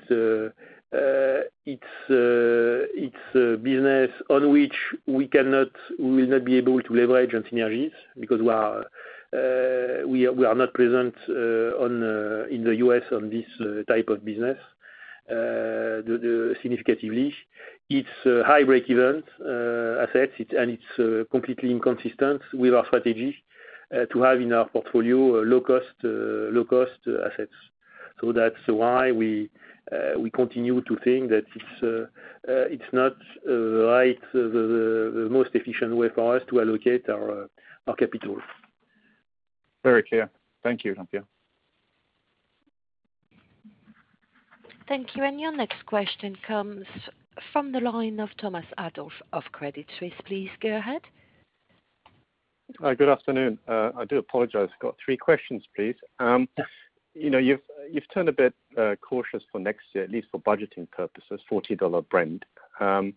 it's a business on which we will not be able to leverage on synergies because we are not present in the U.S. on this type of business significantly. It's high breakeven assets, and it's completely inconsistent with our strategy to have in our portfolio low-cost assets. That's why we continue to think that it's not the most efficient way for us to allocate our capitals. Very clear. Thank you, Jean-Pierre. Thank you. Your next question comes from the line of Thomas Adolff of Credit Suisse. Please go ahead. Hi, good afternoon. I do apologize. I've got three questions, please. Yes. You've turned a bit cautious for next year, at least for budgeting purposes, $40 Brent. I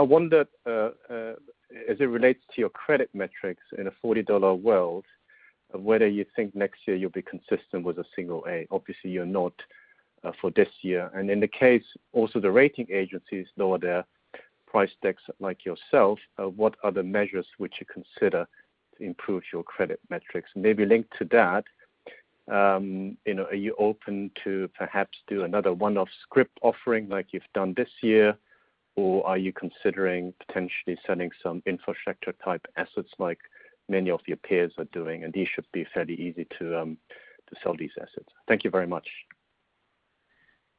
wonder, as it relates to your credit metrics in a $40 world, whether you think next year you'll be consistent with a single A. Obviously, you're not for this year. In the case, also the rating agencies lower their price decks like yourself, what are the measures which you consider to improve your credit metrics? Maybe linked to that, are you open to perhaps do another one-off scrip offering like you've done this year, or are you considering potentially selling some infrastructure-type assets like many of your peers are doing? These should be fairly easy to sell these assets. Thank you very much.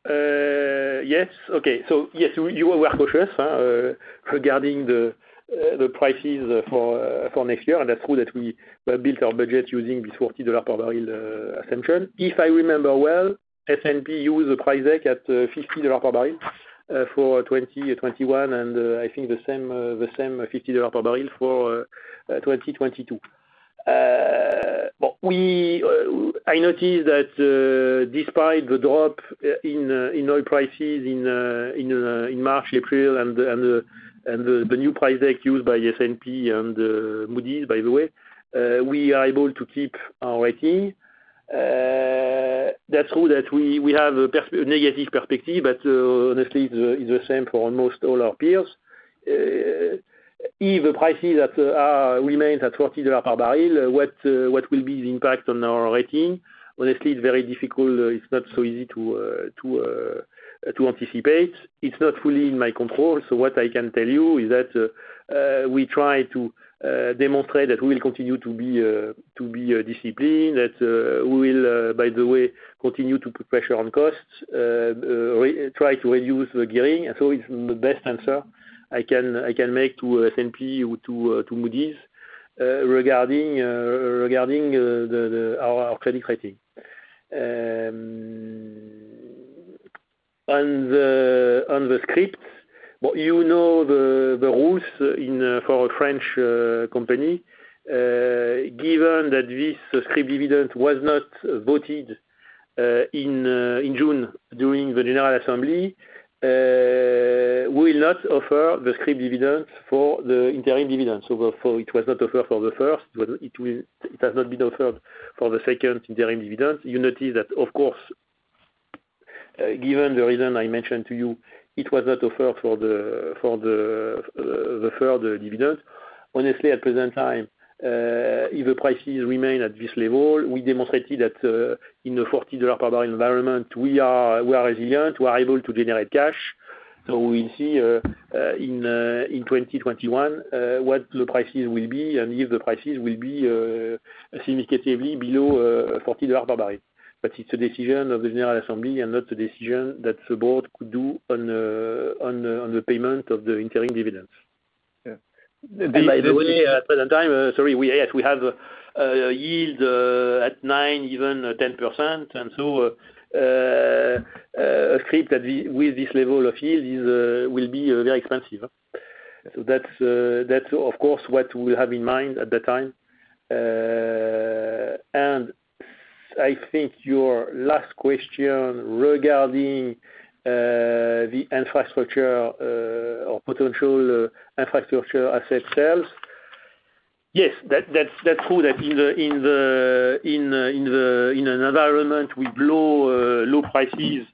Yes, okay. Yes, you are well conscious regarding the prices for next year, and that's true that we built our budget using the $40 per barrel assumption. If I remember well, S&P used a price deck at $50 per barrel for 2021 and I think the same $50 per barrel for 2022. I noticed that despite the drop in oil prices in March, April and the new price deck used by S&P and Moody's, by the way, we are able to keep our rating. That's true that we have a negative perspective, honestly, it's the same for almost all our peers. If the prices remains at $40 per barrel, what will be the impact on our rating? Honestly, it's very difficult. It's not so easy to anticipate. It's not fully in my control. What I can tell you is that we try to demonstrate that we will continue to be disciplined, that we will, by the way, continue to put pressure on costs, try to reduce the gearing. It's the best answer I can make to S&P or to Moody's regarding our credit rating. On the scrips, you know the rules for a French company. Given that this scrip dividend was not voted in June during the general assembly. We will not offer the scrip dividend for the interim dividend. It was not offered for the first, it has not been offered for the second interim dividend. You will see that, of course, given the reason I mentioned to you, it was not offered for the further dividends. Honestly, at present time, if the prices remain at this level, we demonstrated that in the $40 per barrel environment, we are resilient. We are able to generate cash. We'll see in 2021 what the prices will be, and if the prices will be significantly below $40 per barrel. It's a decision of the general assembly and not a decision that the board could do on the payment of the interim dividends. Yeah. By the way, at present time, sorry, we have a yield at nine, even 10%. A scrip with this level of yield will be very expensive. That's of course, what we have in mind at the time. I think your last question regarding the infrastructure or potential infrastructure asset sales. Yes, that's true that in an environment with low prices,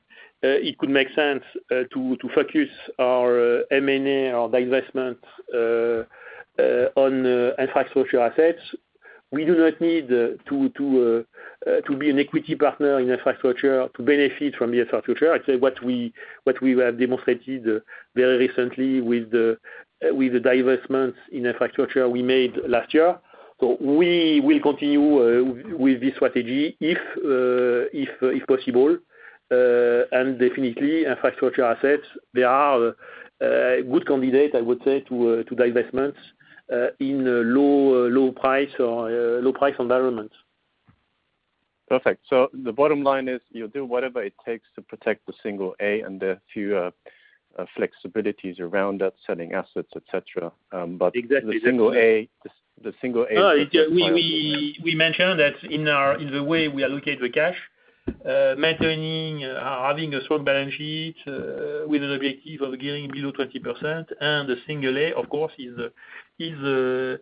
it could make sense to focus our M&A or divestments on infrastructure assets. We do not need to be an equity partner in infrastructure to benefit from the infrastructure. I'd say what we have demonstrated very recently with the divestments in infrastructure we made last year. We will continue with this strategy if possible. Definitely infrastructure assets, they are a good candidate, I would say, to divestments in low price environments. Perfect. The bottom line is you'll do whatever it takes to protect the single A and the few flexibilities around that, selling assets, et cetera. Exactly. The single A. We mentioned that in the way we allocate the cash, maintaining, having a strong balance sheet, with an objective of gearing below 20% and a single A, of course, is a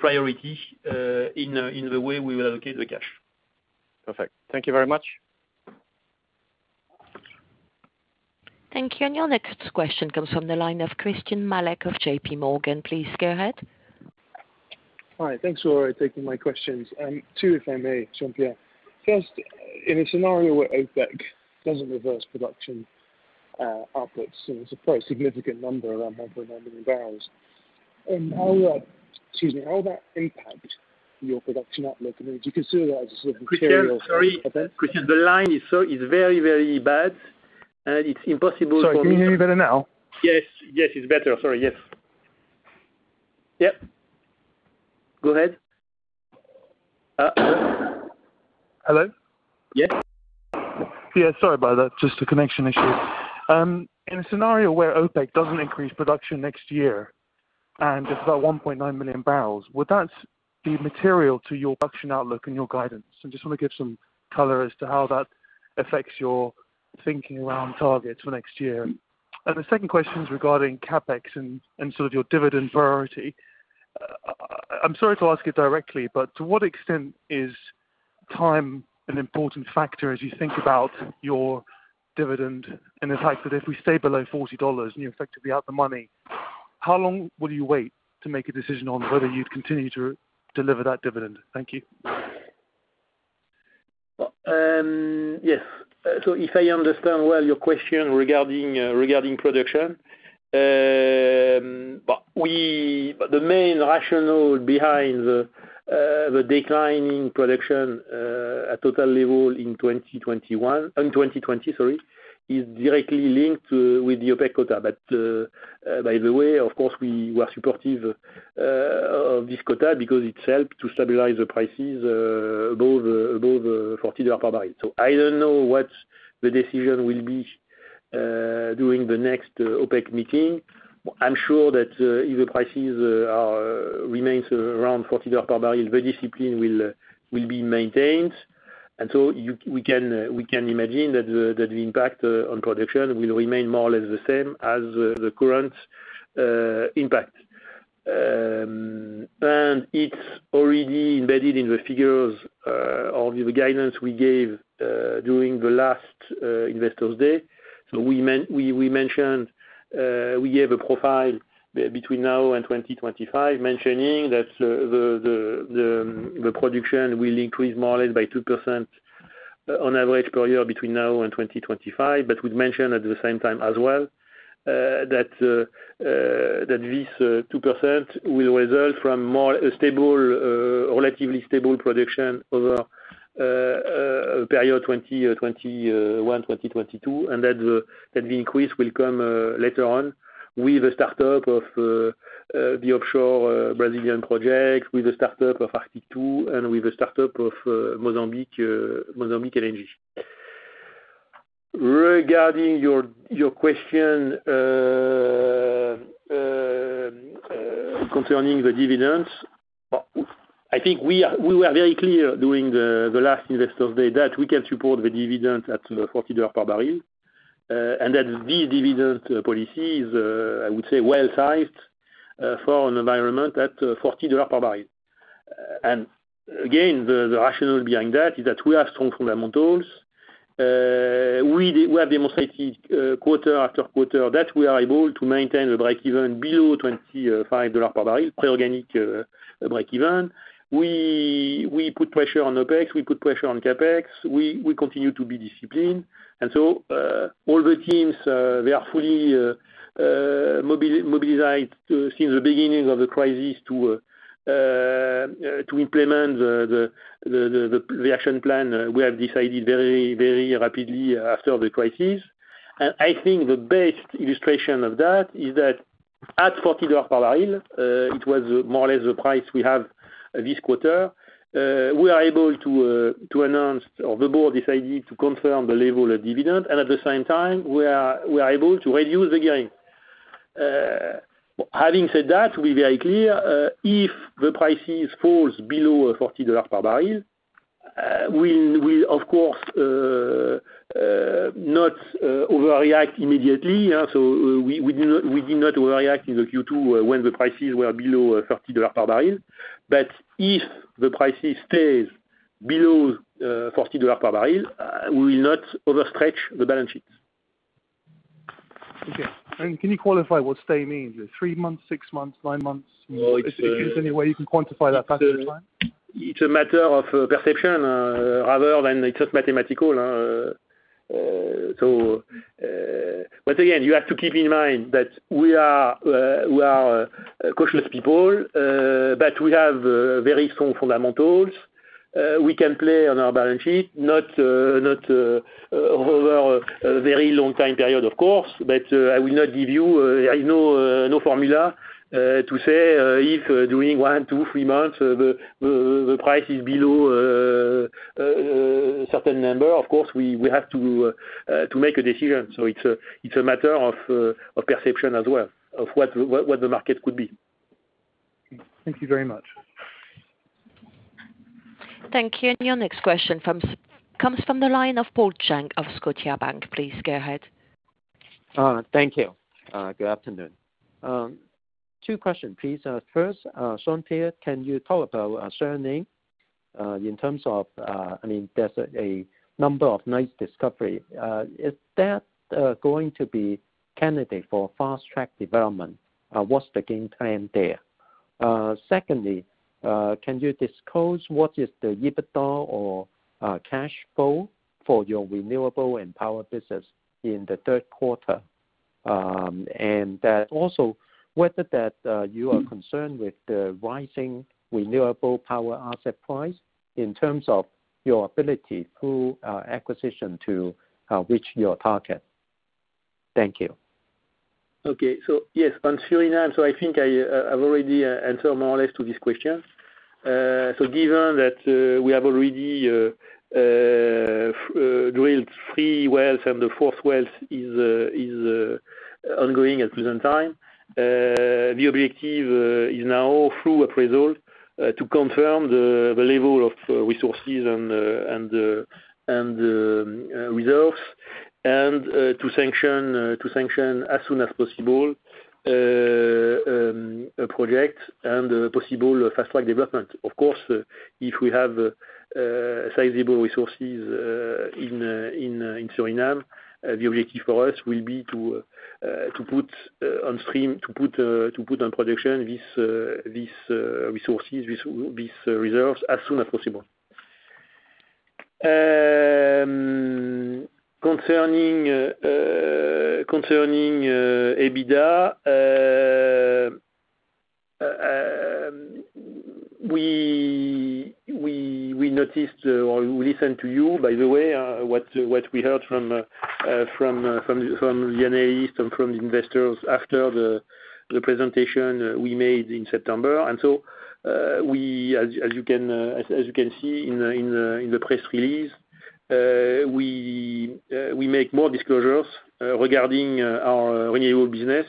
priority in the way we will allocate the cash. Perfect. Thank you very much. Thank you. Your next question comes from the line of Christyan Malek of J.P. Morgan. Please go ahead. Hi. Thanks for taking my questions, two, if I may, Jean-Pierre. First, in a scenario where OPEC doesn't reverse production outputs, and it's a pretty significant number around 1.9 million barrels. How will that impact your production outlook? Would you consider that as a sort of material event? Christyan, sorry. Christyan, the line is very, very bad. It's impossible for me. Sorry, can you hear me better now? Yes, it's better. Sorry. Yes. Yep. Go ahead. Hello? Yes. Yeah, sorry about that. Just a connection issue. In a scenario where OPEC doesn't increase production next year, and it's about 1.9 million barrels, would that be material to your production outlook and your guidance? I just want to give some color as to how that affects your thinking around targets for next year. The second question is regarding CapEx and sort of your dividend priority. I'm sorry to ask it directly, but to what extent is time an important factor as you think about your dividend and the fact that if we stay below EUR 40 and you're effectively out the money, how long will you wait to make a decision on whether you'd continue to deliver that dividend? Thank you. Yes. If I understand well your question regarding production. The main rationale behind the decline in production at TotalEnergies level in 2021 and 2023 is directly linked with the OPEC quota. By the way, of course, we were supportive of this quota because it helped to stabilize the prices above $40 per barrel. I don't know what the decision will be during the next OPEC meeting. I'm sure that if the prices remains around $40 per barrel, the discipline will be maintained. We can imagine that the impact on production will remain more or less the same as the current impact. It's already embedded in the figures of the guidance we gave during the last investors day. We gave a profile between now and 2025 mentioning that the production will increase more or less by 2% on average per year between now and 2025. We mentioned at the same time as well that this 2% will result from more relatively stable production over a period of 2021, 2022, and that the increase will come later on with the startup of the offshore Brazilian projects, with the startup of Arctic LNG 2, and with the startup of Mozambique LNG. Regarding your question, concerning the dividends, I think we were very clear during the last investor day that we can support the dividend at the $40 per barrel, and that this dividend policy is, I would say, well-sized for an environment at $40 per barrel. Again, the rationale behind that is that we have strong fundamentals. We have demonstrated quarter after quarter that we are able to maintain the breakeven below $25 per barrel, pre-organic breakeven. We put pressure on OpEx. We put pressure on CapEx. We continue to be disciplined. All the teams, they are fully mobilized to see the beginning of the crisis to implement the reaction plan we have decided very rapidly after the crisis. I think the best illustration of that is that at EUR 40 per barrel, it was more or less the price we have this quarter, we are able to announce, or the board decided to confirm the level of dividend, and at the same time, we are able to reduce again. Having said that, we are very clear. If the prices falls below EUR 40 per barrel, we'll of course not overreact immediately. We did not overreact in the Q2 when the prices were below EUR 30 per barrel. If the prices stays below EUR 40 per barrel, we will not overstretch the balance sheets. Okay. Can you qualify what stay means? Is it three months, six months, nine months? Is there any way you can quantify that pattern of time? It's a matter of perception rather than it's just mathematical. Once again, you have to keep in mind that we are cautious people, but we have very strong fundamentals. We can play on our balance sheet, not over a very long time period, of course, but I will not give you I know no formula to say if during one, two, three months, the price is below a certain number. Of course, we have to make a decision. It's a matter of perception as well of what the market could be. Thank you very much. Thank you. Your next question comes from the line of Paul Cheng of Scotiabank. Please go ahead. Thank you. Good afternoon. Two questions, please. First, Jean-Pierre, can you talk about Suriname in terms of, there's a number of nice discovery. Is that going to be candidate for fast-track development? What's the game plan there? Secondly, can you disclose what is the EBITDA or cash flow for your renewable and power business in the third quarter? Also whether that you are concerned with the rising renewable power asset price in terms of your ability through acquisition to reach your target. Thank you. Okay. Yes, on Suriname, so I think I've already answered more or less to these questions. Given that we have already drilled three wells and the fourth wells is ongoing at present time, the objective is now through appraisal to confirm the level of resources and the reserves and to sanction as soon as possible a project and a possible fast-track development. Of course, if we have sizable resources in Suriname, the objective for us will be to put on stream, to put on production these resources, these reserves as soon as possible. Concerning EBITDA, we noticed or we listened to you, by the way, what we heard from the analysts and from the investors after the presentation we made in September. As you can see in the press release, we make more disclosures regarding our renewable business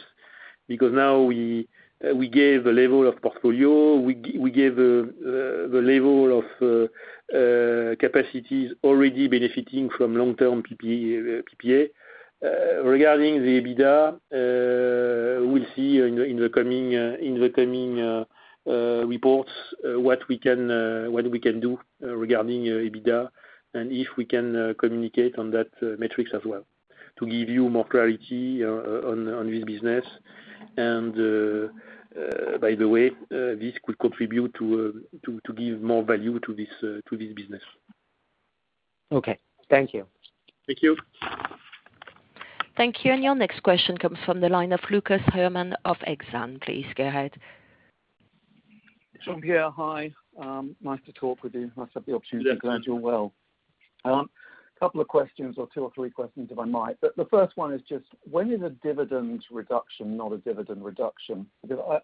because now we gave a level of portfolio. We gave the level of capacities already benefiting from long-term PPA. Regarding the EBITDA, we'll see in the coming reports what we can do regarding EBITDA and if we can communicate on that metrics as well to give you more clarity on this business. By the way, this could contribute to give more value to this business. Okay. Thank you. Thank you. Thank you. Your next question comes from the line of Lucas Herrmann of Exane. Please go ahead. Jean-Pierre, hi. Nice to talk with you. Nice to have the opportunity. Yes. Glad you're well. A couple of questions or two or three questions, if I might. The first one is just when is a dividend reduction not a dividend reduction?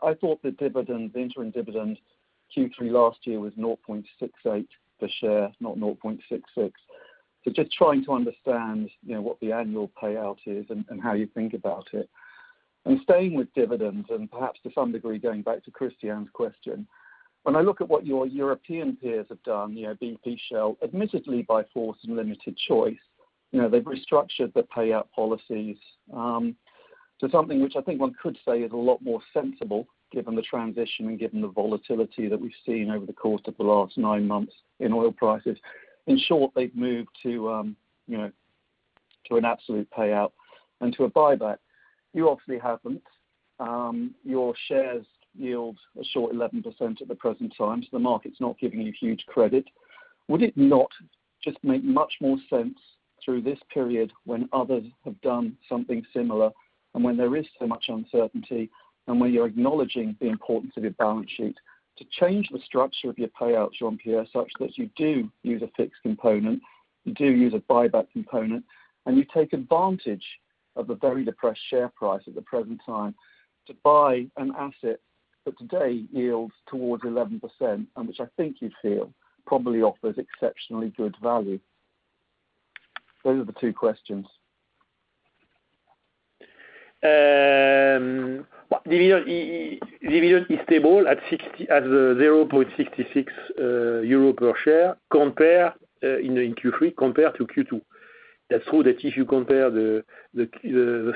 I thought the interim dividend Q3 last year was 0.68 per share, not 0.66. Just trying to understand what the annual payout is and how you think about it. Staying with dividends, and perhaps to some degree, going back to Christyan's question, when I look at what your European peers have done, BP, Shell, admittedly by force and limited choice, they've restructured their payout policies to something which I think one could say is a lot more sensible given the transition and given the volatility that we've seen over the course of the last nine months in oil prices. In short, they've moved to an absolute payout and to a buyback. You obviously haven't. Your shares yield a short 11% at the present time. The market's not giving you huge credit. Would it not just make much more sense through this period when others have done something similar, and when there is so much uncertainty, and when you're acknowledging the importance of your balance sheet, to change the structure of your payout, Jean-Pierre, such that you do use a fixed component, you do use a buyback component, and you take advantage of the very depressed share price at the present time to buy an asset that today yields towards 11%, and which I think you feel probably offers exceptionally good value? Those are the two questions. Dividend is stable at 0.66 euro per share in Q3 compared to Q2. If you compare the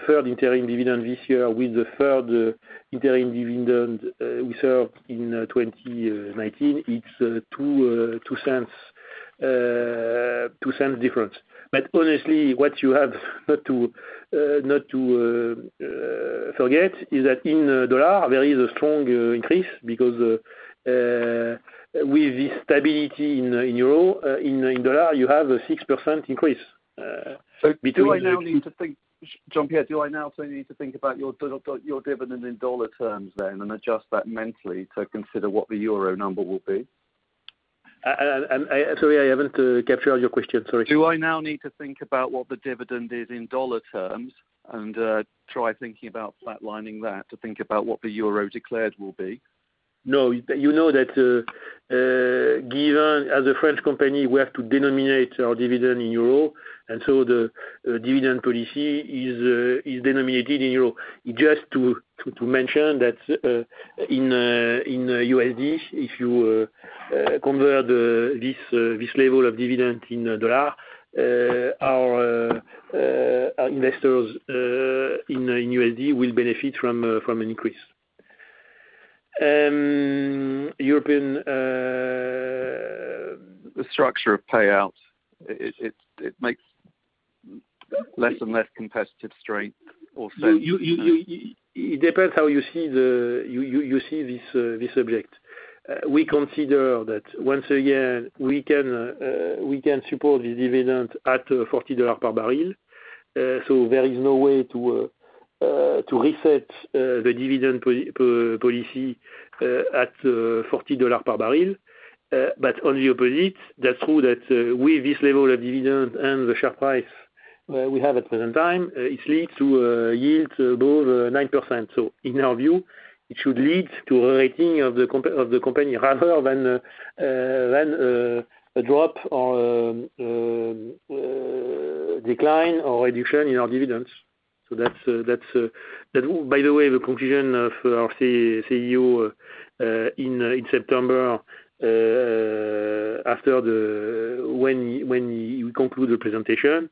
third interim dividend this year with the third interim dividend we served in 2019, it's 0.02 difference. What you have not to forget is that in USD, there is a strong increase because with the stability in USD, you have a 6% increase between the two Jean-Pierre, do I now need to think about your dividend in dollar terms then, and adjust that mentally to consider what the euro number will be? Sorry, I haven't captured all your question. Sorry. Do I now need to think about what the dividend is in dollar terms and try thinking about flatlining that to think about what the euro declared will be? No. You know that given as a French company, we have to denominate our dividend in EUR, and so the dividend policy is denominated in EUR. Just to mention that in USD, if you convert this level of dividend in dollars, our investors in USD will benefit from an increase. The structure of payouts, it makes less and less competitive strength or sense. It depends how you see this subject. We consider that once a year, we can support the dividend at EUR 40 per barrel. There is no way to reset the dividend policy at EUR 40 per barrel. On the opposite, that's true that with this level of dividend and the share price we have at present time, it leads to a yield above 9%. In our view, it should lead to a rating of the company rather than a drop or decline or reduction in our dividends. That's, by the way, the conclusion of our CEO in September when he concluded the presentation.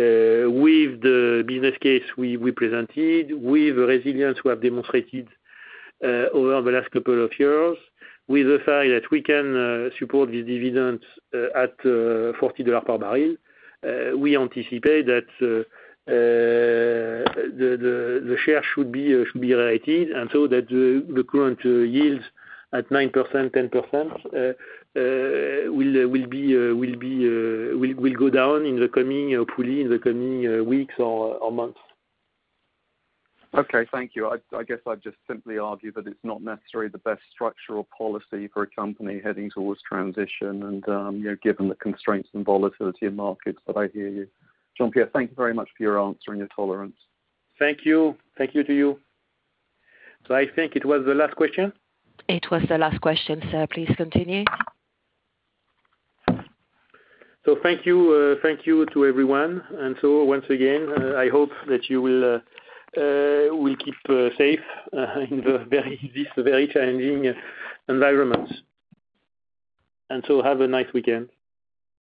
With the business case we presented, with the resilience we have demonstrated over the last couple of years, with the fact that we can support this dividend at $40 per barrel, we anticipate that the share should be rated, and so that the current yield at 9%, 10% will go down hopefully in the coming weeks or months. Okay, thank you. I guess I'd just simply argue that it's not necessarily the best structural policy for a company heading towards transition and given the constraints and volatility in markets, but I hear you. Jean-Pierre, thank you very much for your answer and your tolerance. Thank you. Thank you to you. I think it was the last question. It was the last question, sir. Please continue. Thank you to everyone. Once again, I hope that you will keep safe in this very challenging environment. Have a nice weekend.